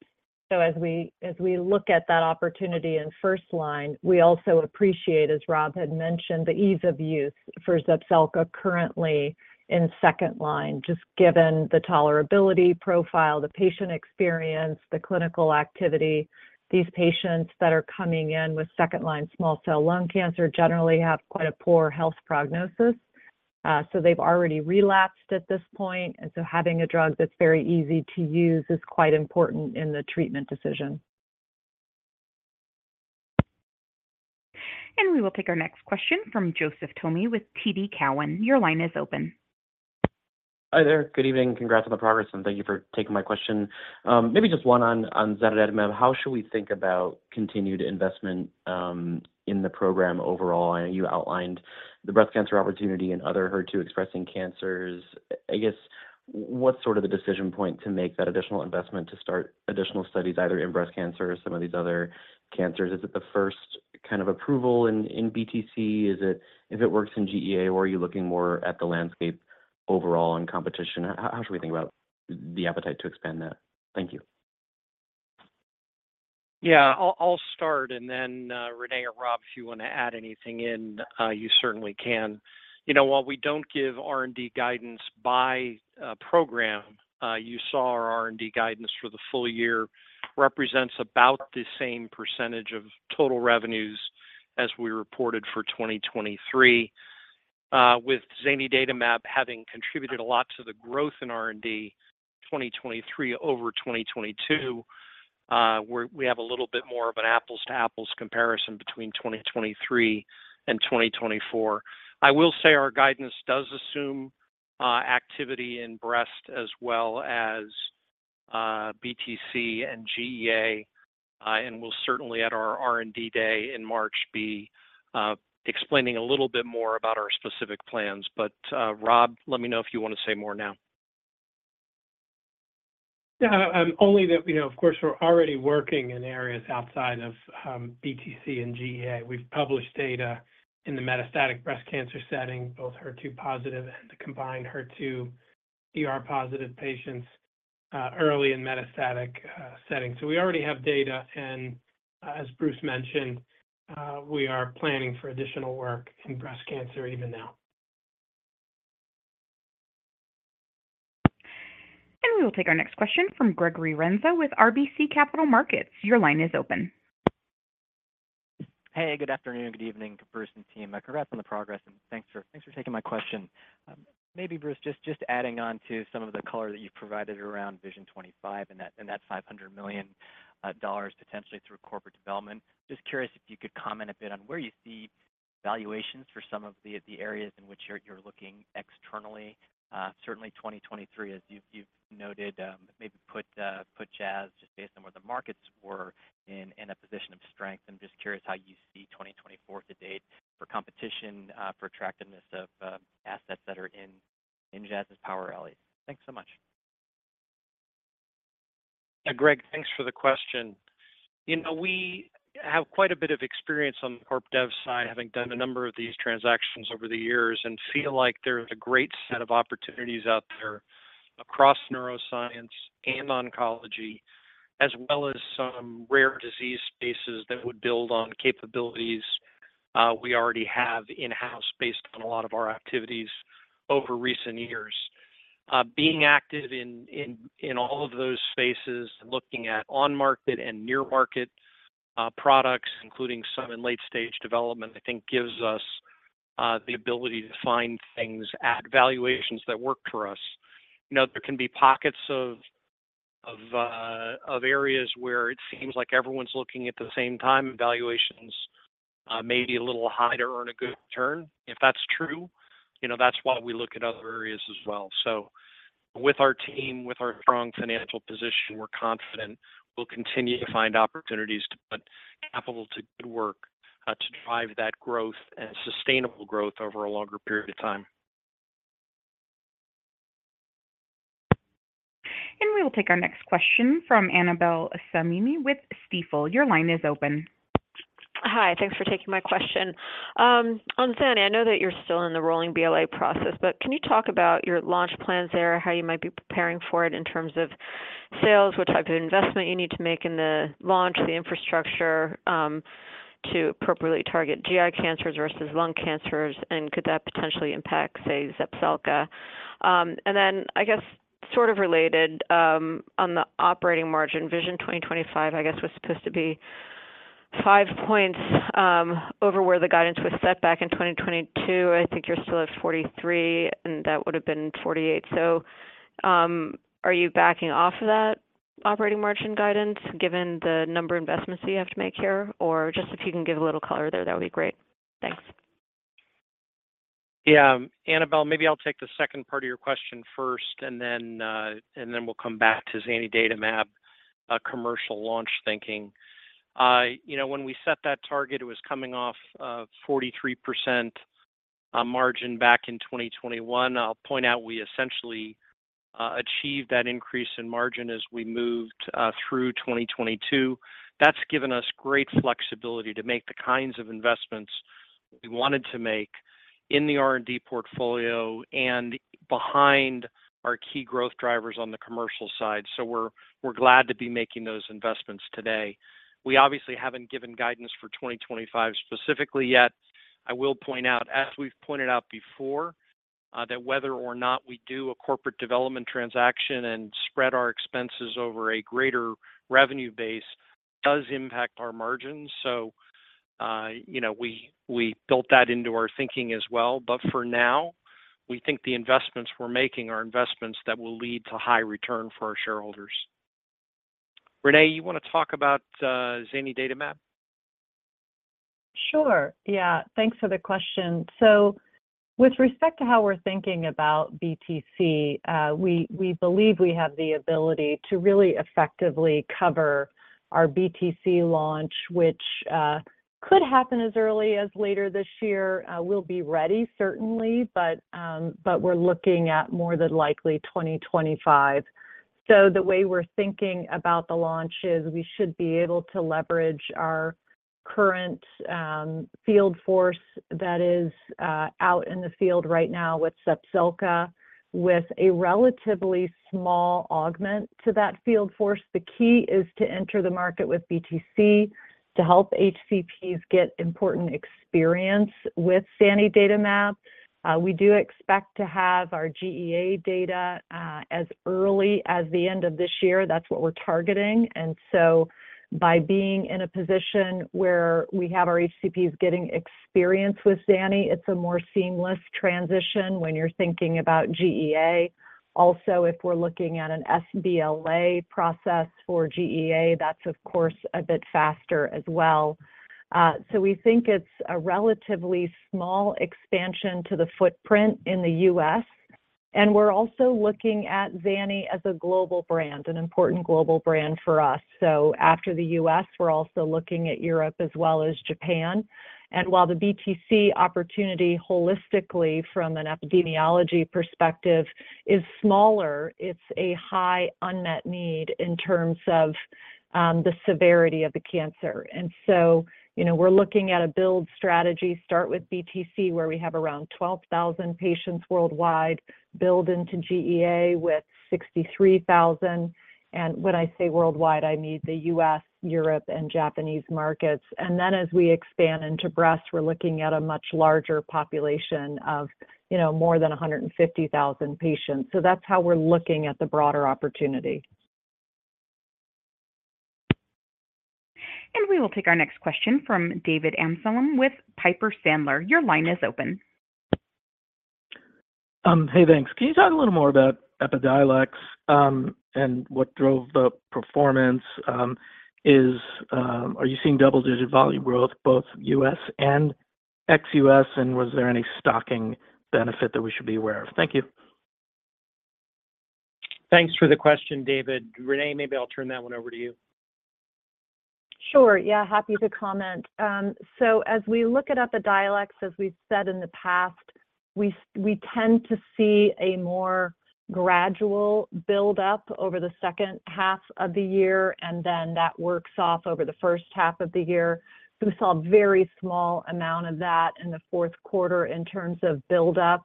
so as we look at that opportunity in first-line, we also appreciate, as Rob had mentioned, the ease of use for Zepzelca currently in second-line, just given the tolerability profile, the patient experience, the clinical activity. These patients that are coming in with second-line small-cell lung cancer generally have quite a poor health prognosis. So they've already relapsed at this point. And so having a drug that's very easy to use is quite important in the treatment decision. We will take our next question from Joseph Thome with TD Cowen. Your line is open. Hi there. Good evening. Congrats on the progress, and thank you for taking my question. Maybe just one on zanidatamab. How should we think about continued investment in the program overall? I know you outlined the breast cancer opportunity and other HER2-expressing cancers. I guess, what's sort of the decision point to make that additional investment to start additional studies either in breast cancer or some of these other cancers? Is it the first kind of approval in BTC? If it works in GEA, or are you looking more at the landscape overall and competition? How should we think about the appetite to expand that? Thank you. Yeah. I'll start. And then, Renee or Rob, if you want to add anything in, you certainly can. While we don't give R&D guidance by program, you saw our R&D guidance for the full year represents about the same percentage of total revenues as we reported for 2023. With zanidatamab having contributed a lot to the growth in R&D 2023 over 2022, we have a little bit more of an apples-to-apples comparison between 2023 and 2024. I will say our guidance does assume activity in breast as well as BTC and GEA. And we'll certainly, at our R&D day in March, be explaining a little bit more about our specific plans. But Rob, let me know if you want to say more now. Yeah. Only that, of course, we're already working in areas outside of BTC and GEA. We've published data in the metastatic breast cancer setting, both HER2-positive and the combined HER2 ER-positive patients early in metastatic settings. So we already have data. And as Bruce mentioned, we are planning for additional work in breast cancer even now. We will take our next question from Gregory Renza with RBC Capital Markets. Your line is open. Hey. Good afternoon. Good evening, Bruce and team. Congrats on the progress, and thanks for taking my question. Maybe, Bruce, just adding on to some of the color that you've provided around Vision 25 and that $500 million potentially through corporate development, just curious if you could comment a bit on where you see valuations for some of the areas in which you're looking externally. Certainly, 2023, as you've noted, maybe put Jazz just based on where the markets were in a position of strength. I'm just curious how you see 2024 to date for competition, for attractiveness of assets that are in Jazz's power alleys. Thanks so much. Yeah. Greg, thanks for the question. We have quite a bit of experience on the corporate dev side, having done a number of these transactions over the years, and feel like there's a great set of opportunities out there across neuroscience and oncology, as well as some rare disease spaces that would build on capabilities we already have in-house based on a lot of our activities over recent years. Being active in all of those spaces, looking at on-market and near-market products, including some in late-stage development, I think gives us the ability to find things, add valuations that work for us. There can be pockets of areas where it seems like everyone's looking at the same time, and valuations may be a little high to earn a good return. If that's true, that's why we look at other areas as well. With our team, with our strong financial position, we're confident we'll continue to find opportunities to put capital to good work to drive that growth and sustainable growth over a longer period of time. We will take our next question from Annabel Samimy with Stifel. Your line is open. Hi. Thanks for taking my question. On zanidatamab, I know that you're still in the rolling BLA process, but can you talk about your launch plans there, how you might be preparing for it in terms of sales, what type of investment you need to make in the launch, the infrastructure to appropriately target GI cancers versus lung cancers, and could that potentially impact, say, Zepzelca? And then, I guess, sort of related, on the operating margin, Vision 2025, I guess, was supposed to be 5 points over where the guidance was set back in 2022. I think you're still at 43, and that would have been 48. So are you backing off of that operating margin guidance given the number of investments you have to make here? Or just if you can give a little color there, that would be great. Thanks. Yeah. Annabel, maybe I'll take the second part of your question first, and then we'll come back to zanidatamab commercial launch thinking. When we set that target, it was coming off of 43% margin back in 2021. I'll point out we essentially achieved that increase in margin as we moved through 2022. That's given us great flexibility to make the kinds of investments we wanted to make in the R&D portfolio and behind our key growth drivers on the commercial side. So we're glad to be making those investments today. We obviously haven't given guidance for 2025 specifically yet. I will point out, as we've pointed out before, that whether or not we do a corporate development transaction and spread our expenses over a greater revenue base does impact our margins. So we built that into our thinking as well. But for now, we think the investments we're making are investments that will lead to high return for our shareholders. Renee, you want to talk about zanidatamab? Sure. Yeah. Thanks for the question. So with respect to how we're thinking about BTC, we believe we have the ability to really effectively cover our BTC launch, which could happen as early as later this year. We'll be ready, certainly, but we're looking at more than likely 2025. So the way we're thinking about the launch is we should be able to leverage our current field force that is out in the field right now with Zepzelca with a relatively small augment to that field force. The key is to enter the market with BTC to help HCPs get important experience with zanidatamab. We do expect to have our GEA data as early as the end of this year. That's what we're targeting. So by being in a position where we have our HCPs getting experience with Zana, it's a more seamless transition when you're thinking about GEA. Also, if we're looking at an sBLA process for GEA, that's, of course, a bit faster as well. We think it's a relatively small expansion to the footprint in the US. We're also looking at Zana as a global brand, an important global brand for us. After the US, we're also looking at Europe as well as Japan. While the BTC opportunity holistically from an epidemiology perspective is smaller, it's a high unmet need in terms of the severity of the cancer. We're looking at a build strategy, start with BTC where we have around 12,000 patients worldwide, build into GEA with 63,000. When I say worldwide, I mean the US, Europe, and Japanese markets. And then as we expand into breast, we're looking at a much larger population of more than 150,000 patients. So that's how we're looking at the broader opportunity. We will take our next question from David Amsellem with Piper Sandler. Your line is open. Hey. Thanks. Can you talk a little more about Epidiolex and what drove the performance? Are you seeing double-digit volume growth, both U.S. and ex-U.S., and was there any stocking benefit that we should be aware of? Thank you. Thanks for the question, David. Renee, maybe I'll turn that one over to you. Sure. Yeah. Happy to comment. As we look at Epidiolex, as we've said in the past, we tend to see a more gradual buildup over the second half of the year, and then that works off over the first half of the year. We saw a very small amount of that in the fourth quarter in terms of buildup.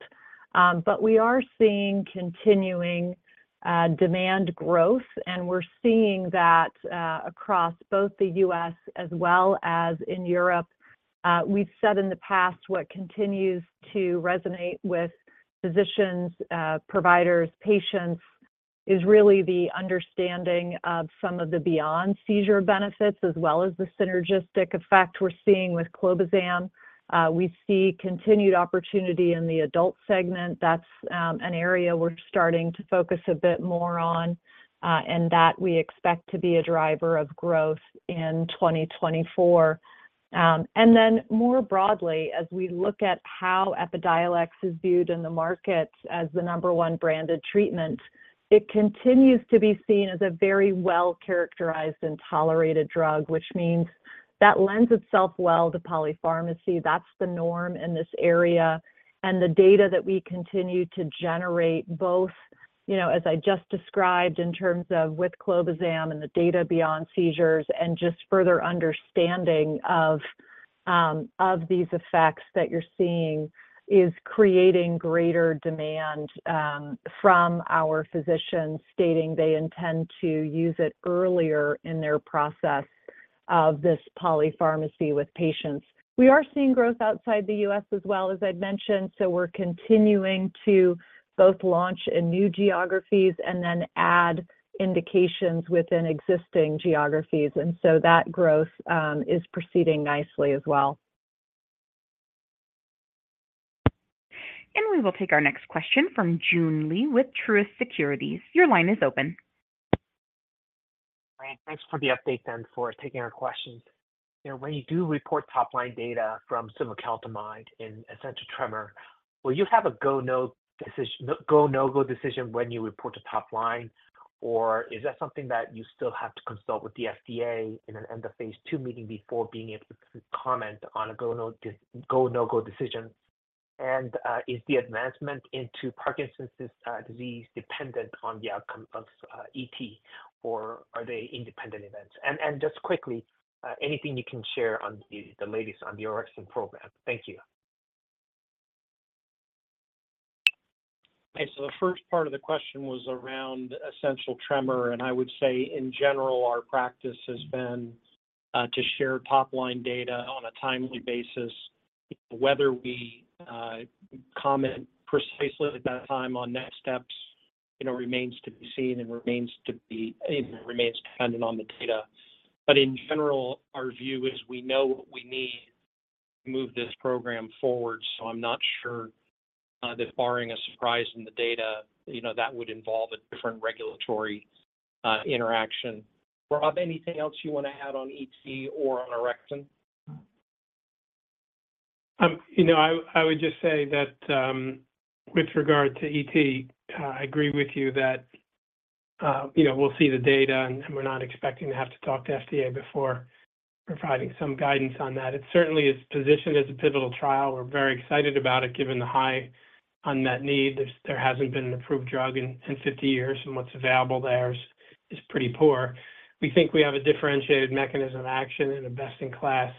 But we are seeing continuing demand growth, and we're seeing that across both the U.S. as well as in Europe. We've said in the past what continues to resonate with physicians, providers, patients is really the understanding of some of the beyond-seizure benefits as well as the synergistic effect we're seeing with clobazam. We see continued opportunity in the adult segment. That's an area we're starting to focus a bit more on, and that we expect to be a driver of growth in 2024. And then more broadly, as we look at how Epidiolex is viewed in the market as the number one branded treatment, it continues to be seen as a very well-characterized and tolerated drug, which means that lends itself well to polypharmacy. That's the norm in this area. And the data that we continue to generate, both as I just described in terms of with clobazam and the data beyond seizures and just further understanding of these effects that you're seeing, is creating greater demand from our physicians stating they intend to use it earlier in their process of this polypharmacy with patients. We are seeing growth outside the U.S. as well, as I'd mentioned. So we're continuing to both launch in new geographies and then add indications within existing geographies. And so that growth is proceeding nicely as well. We will take our next question from Joon Lee with Truist Securities. Your line is open. Great. Thanks for the update and for taking our questions. When you do report top-line data from suvecaltamide and essential tremor, will you have a go-no-go decision when you report the top line, or is that something that you still have to consult with the FDA in an end-of-phase 2 meeting before being able to comment on a go-no-go decision? Is the advancement into Parkinson's disease dependent on the outcome of ET, or are they independent events? Just quickly, anything you can share on the latest on the orexin program? Thank you. Okay. So the first part of the question was around Essential Tremor. I would say, in general, our practice has been to share top-line data on a timely basis. Whether we comment precisely at that time on next steps remains to be seen and it remains dependent on the data. In general, our view is we know what we need to move this program forward. I'm not sure that barring a surprise in the data, that would involve a different regulatory interaction. Rob, anything else you want to add on ET or on orexin? I would just say that with regard to ET, I agree with you that we'll see the data, and we're not expecting to have to talk to FDA before providing some guidance on that. It certainly is positioned as a pivotal trial. We're very excited about it given the high unmet need. There hasn't been an approved drug in 50 years, and what's available there is pretty poor. We think we have a differentiated mechanism of action and a best-in-class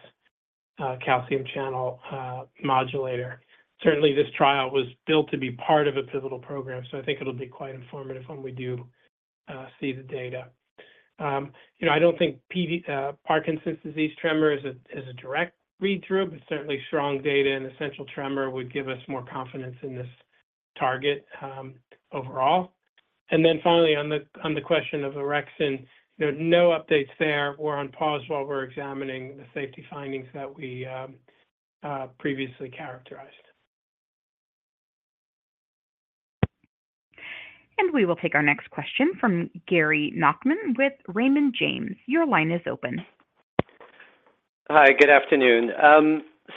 calcium channel modulator. Certainly, this trial was built to be part of a pivotal program, so I think it'll be quite informative when we do see the data. I don't think Parkinson's disease tremor is a direct read-through, but certainly, strong data in Essential Tremor would give us more confidence in this target overall. And then finally, on the question of orexin, no updates there. We're on pause while we're examining the safety findings that we previously characterized. We will take our next question from Gary Nachman with Raymond James. Your line is open. Hi. Good afternoon.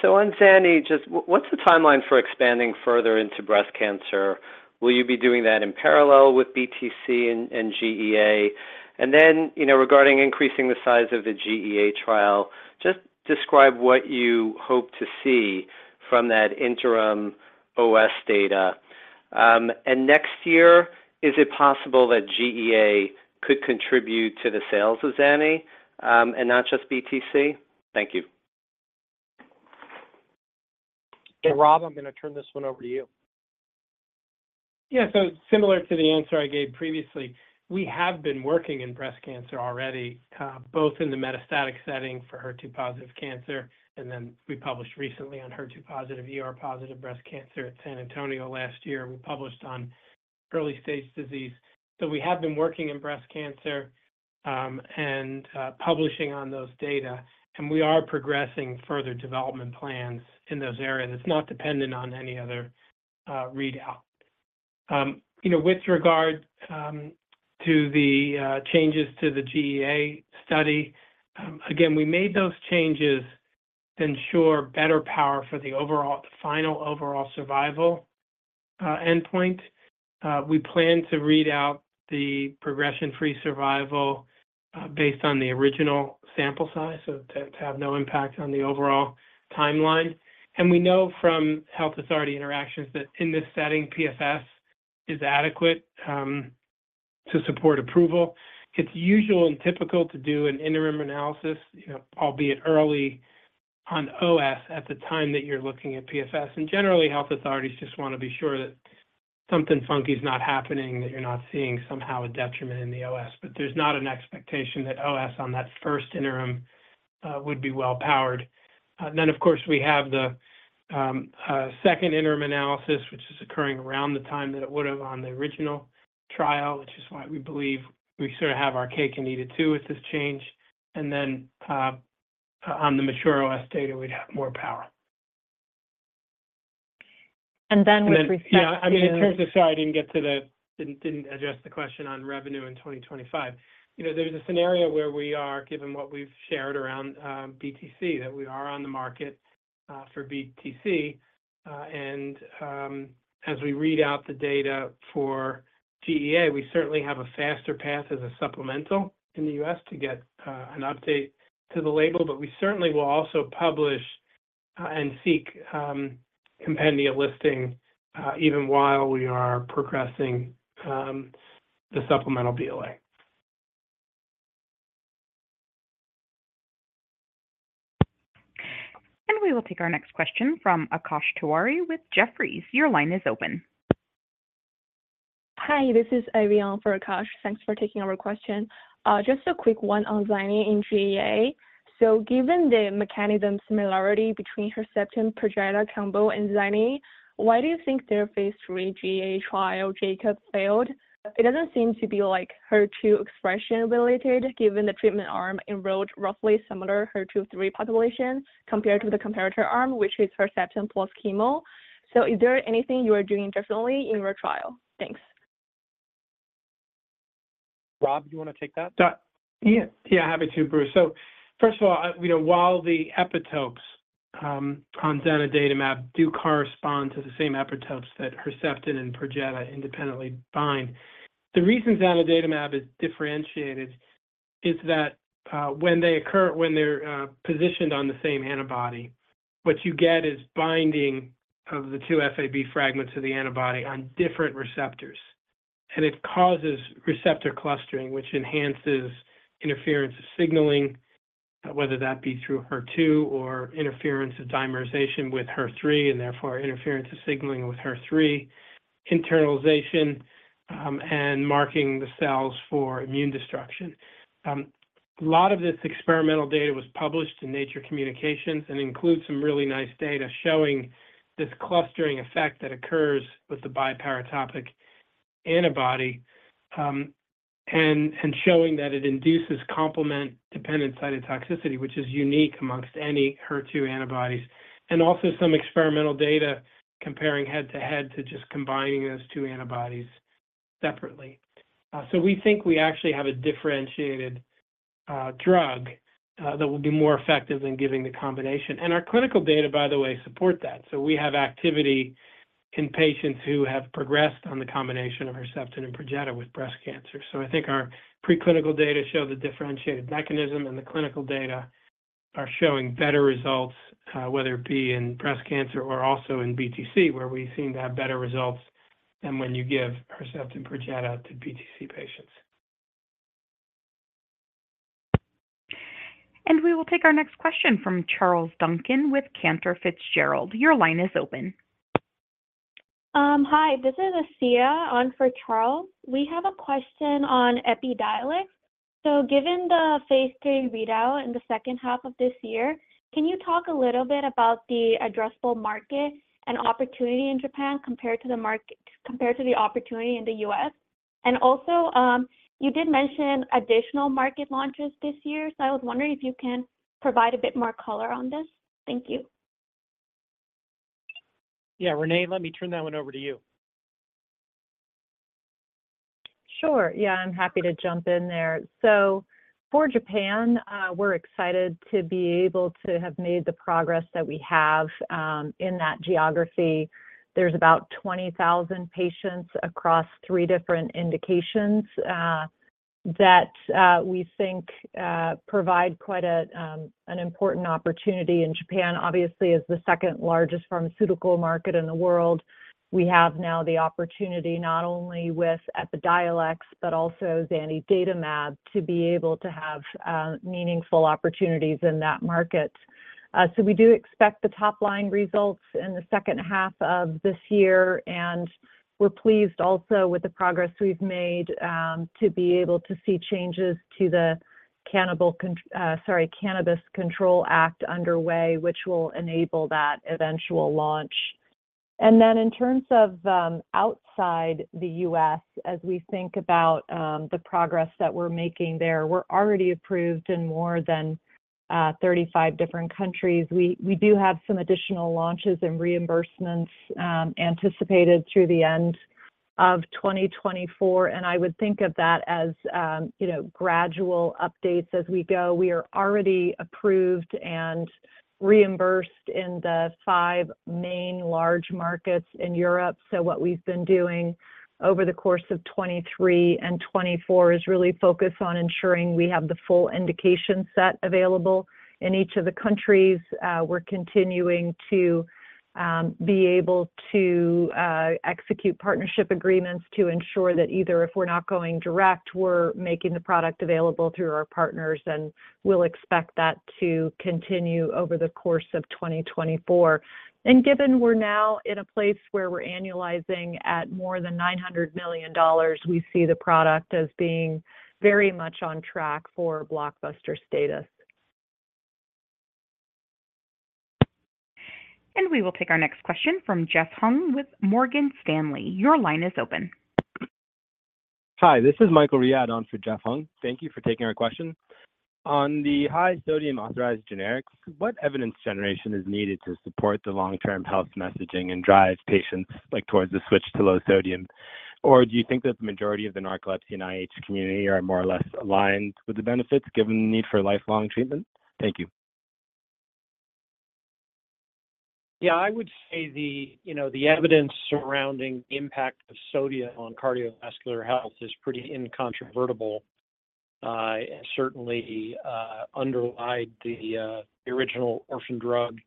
So on zanidatamab, just what's the timeline for expanding further into breast cancer? Will you be doing that in parallel with BTC and GEA? And then regarding increasing the size of the GEA trial, just describe what you hope to see from that interim OS data. And next year, is it possible that GEA could contribute to the sales of zanidatamab and not just BTC? Thank you. Rob, I'm going to turn this one over to you. Yeah. So similar to the answer I gave previously, we have been working in breast cancer already, both in the metastatic setting for HER2-positive cancer, and then we published recently on HER2-positive, ER-positive breast cancer at San Antonio last year. We published on early-stage disease. So we have been working in breast cancer and publishing on those data. And we are progressing further development plans in those areas. It's not dependent on any other readout. With regard to the changes to the GEA study, again, we made those changes to ensure better power for the final overall survival endpoint. We plan to read out the progression-free survival based on the original sample size so to have no impact on the overall timeline. And we know from health authority interactions that in this setting, PFS is adequate to support approval. It's usual and typical to do an interim analysis, albeit early on OS at the time that you're looking at PFS. Generally, health authorities just want to be sure that something funky is not happening, that you're not seeing somehow a detriment in the OS. There's not an expectation that OS on that first interim would be well-powered. Of course, we have the second interim analysis, which is occurring around the time that it would have on the original trial, which is why we believe we sort of have our cake and eat it too with this change. Then on the mature OS data, we'd have more power. And then with respect. Yeah. I mean, in terms of, sorry, I didn't address the question on revenue in 2025. There's a scenario where we are, given what we've shared around BTC, that we are on the market for BTC. And as we read out the data for GEA, we certainly have a faster path as a supplemental in the U.S. to get an update to the label. But we certainly will also publish and seek compendium listing even while we are progressing the supplemental BLA. We will take our next question from Akash Tewari with Jefferies. Your line is open. Hi. This is Eriane for Akash. Thanks for taking our question. Just a quick one on Zana and GEA. So given the mechanism similarity between Herceptin, Perjeta, combo, and Zana, why do you think their phase 3 GEA trial, JACOB, failed? It doesn't seem to be HER2 expression-related given the treatment arm enrolled roughly similar HER2-3 population compared to the comparator arm, which is Herceptin plus chemo. So is there anything you are doing differently in your trial? Thanks. Rob, do you want to take that? Yeah. Yeah. Happy to, Bruce. So first of all, while the epitopes on zanidatamab do correspond to the same epitopes that Herceptin and Perjeta independently bind, the reason zanidatamab is differentiated is that when they occur, when they're positioned on the same antibody, what you get is binding of the two Fab fragments of the antibody on different receptors. And it causes receptor clustering, which enhances interference of signaling, whether that be through HER2 or interference of dimerization with HER3, and therefore interference of signaling with HER3, internalization, and marking the cells for immune destruction. A lot of this experimental data was published in Nature Communications and includes some really nice data showing this clustering effect that occurs with the biparatopic antibody and showing that it induces complement-dependent cytotoxicity, which is unique amongst any HER2 antibodies, and also some experimental data comparing head-to-head to just combining those two antibodies separately. We think we actually have a differentiated drug that will be more effective than giving the combination. Our clinical data, by the way, support that. We have activity in patients who have progressed on the combination of Herceptin and Perjeta with breast cancer. I think our preclinical data show the differentiated mechanism, and the clinical data are showing better results, whether it be in breast cancer or also in BTC, where we seem to have better results than when you give Herceptin, Perjeta to BTC patients. We will take our next question from Charles Duncan with Cantor Fitzgerald. Your line is open. Hi. This is Asiya on for Charles. We have a question on Epidiolex. So given the phase 3 readout in the second half of this year, can you talk a little bit about the addressable market and opportunity in Japan compared to the opportunity in the U.S.? And also, you did mention additional market launches this year, so I was wondering if you can provide a bit more color on this. Thank you. Yeah. Renee, let me turn that one over to you. Sure. Yeah. I'm happy to jump in there. So for Japan, we're excited to be able to have made the progress that we have in that geography. There's about 20,000 patients across three different indications that we think provide quite an important opportunity. And Japan, obviously, is the second-largest pharmaceutical market in the world. We have now the opportunity not only with Epidiolex but also zanidatamab to be able to have meaningful opportunities in that market. So we do expect the top-line results in the second half of this year. And we're pleased also with the progress we've made to be able to see changes to the Cannabis Control Act underway, which will enable that eventual launch. And then in terms of outside the U.S., as we think about the progress that we're making there, we're already approved in more than 35 different countries. We do have some additional launches and reimbursements anticipated through the end of 2024. I would think of that as gradual updates as we go. We are already approved and reimbursed in the five main large markets in Europe. What we've been doing over the course of 2023 and 2024 is really focused on ensuring we have the full indication set available in each of the countries. We're continuing to be able to execute partnership agreements to ensure that either if we're not going direct, we're making the product available through our partners, and we'll expect that to continue over the course of 2024. Given we're now in a place where we're annualizing at more than $900 million, we see the product as being very much on track for blockbuster status. We will take our next question from Jeff Hung with Morgan Stanley. Your line is open. Hi. This is Michael Riad on for Jeff Hung. Thank you for taking our question. On the high-sodium authorized generics, what evidence generation is needed to support the long-term health messaging and drive patients towards the switch to low sodium? Or do you think that the majority of the narcolepsy and IH community are more or less aligned with the benefits given the need for lifelong treatment? Thank you. Yeah. I would say the evidence surrounding the impact of sodium on cardiovascular health is pretty incontrovertible and certainly underlay the original orphan drug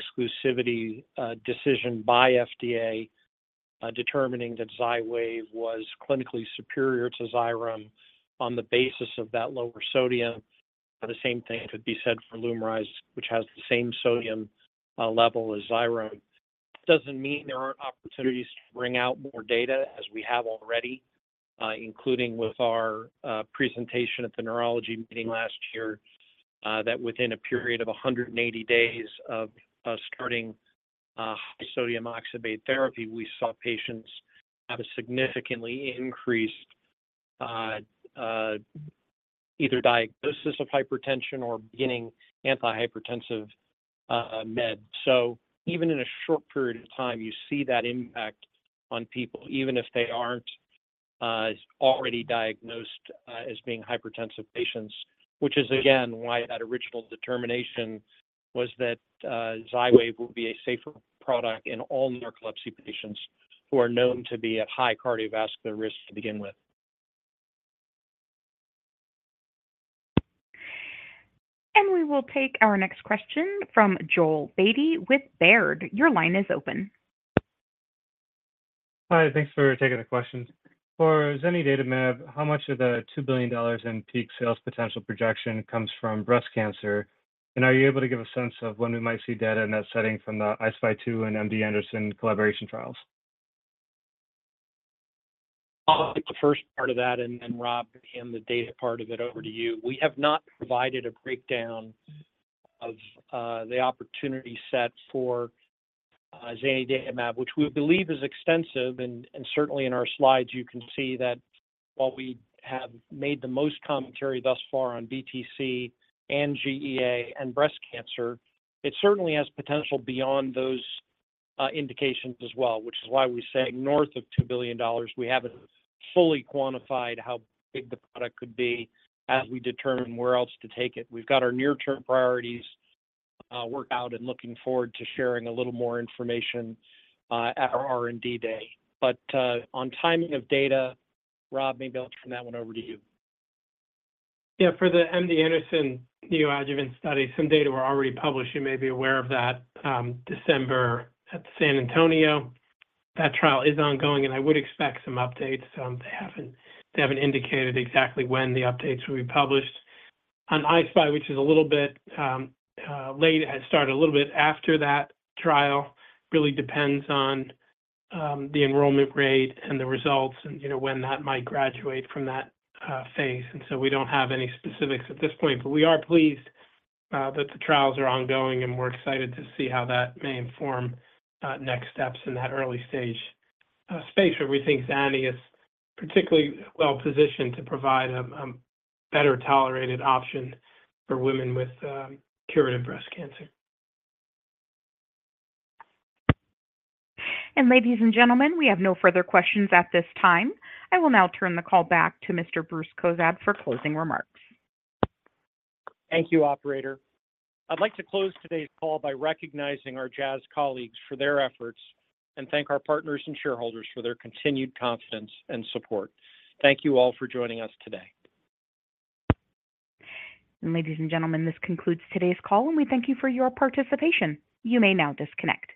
exclusivity decision by FDA determining that Xywav was clinically superior to Xyrem on the basis of that lower sodium. The same thing could be said for Lumryz, which has the same sodium level as Xyrem. Doesn't mean there aren't opportunities to bring out more data as we have already, including with our presentation at the neurology meeting last year that within a period of 180 days of starting high-sodium oxybate therapy, we saw patients have a significantly increased either diagnosis of hypertension or beginning antihypertensive med. Even in a short period of time, you see that impact on people even if they aren't already diagnosed as being hypertensive patients, which is, again, why that original determination was that Xywav would be a safer product in all narcolepsy patients who are known to be at high cardiovascular risk to begin with. We will take our next question from Joel Beatty with Baird. Your line is open. Hi. Thanks for taking the question. For zanidatamab, how much of the $2 billion in peak sales potential projection comes from breast cancer? And are you able to give a sense of when we might see data in that setting from the I-SPY 2 and M.D. Anderson collaboration trials? I'll take the first part of that, and then Rob, again, the data part of it, over to you. We have not provided a breakdown of the opportunity set for zanidatamab, which we believe is extensive. Certainly, in our slides, you can see that while we have made the most commentary thus far on BTC and GEA and breast cancer, it certainly has potential beyond those indications as well, which is why we say north of $2 billion. We haven't fully quantified how big the product could be as we determine where else to take it. We've got our near-term priorities worked out and looking forward to sharing a little more information at our R&D day. But on timing of data, Rob, maybe I'll turn that one over to you. Yeah. For the MD Anderson neoadjuvant study, some data we're already publishing. You may be aware of that December at San Antonio. That trial is ongoing, and I would expect some updates. They haven't indicated exactly when the updates will be published. On ICEFI, which is a little bit late, it has started a little bit after that trial. It really depends on the enrollment rate and the results and when that might graduate from that phase. And so we don't have any specifics at this point. But we are pleased that the trials are ongoing, and we're excited to see how that may inform next steps in that early-stage space where we think Zana is particularly well-positioned to provide a better tolerated option for women with curative breast cancer. Ladies and gentlemen, we have no further questions at this time. I will now turn the call back to Mr. Bruce Cozadd for closing remarks. Thank you, operator. I'd like to close today's call by recognizing our Jazz colleagues for their efforts and thank our partners and shareholders for their continued confidence and support. Thank you all for joining us today. Ladies and gentlemen, this concludes today's call, and we thank you for your participation. You may now disconnect.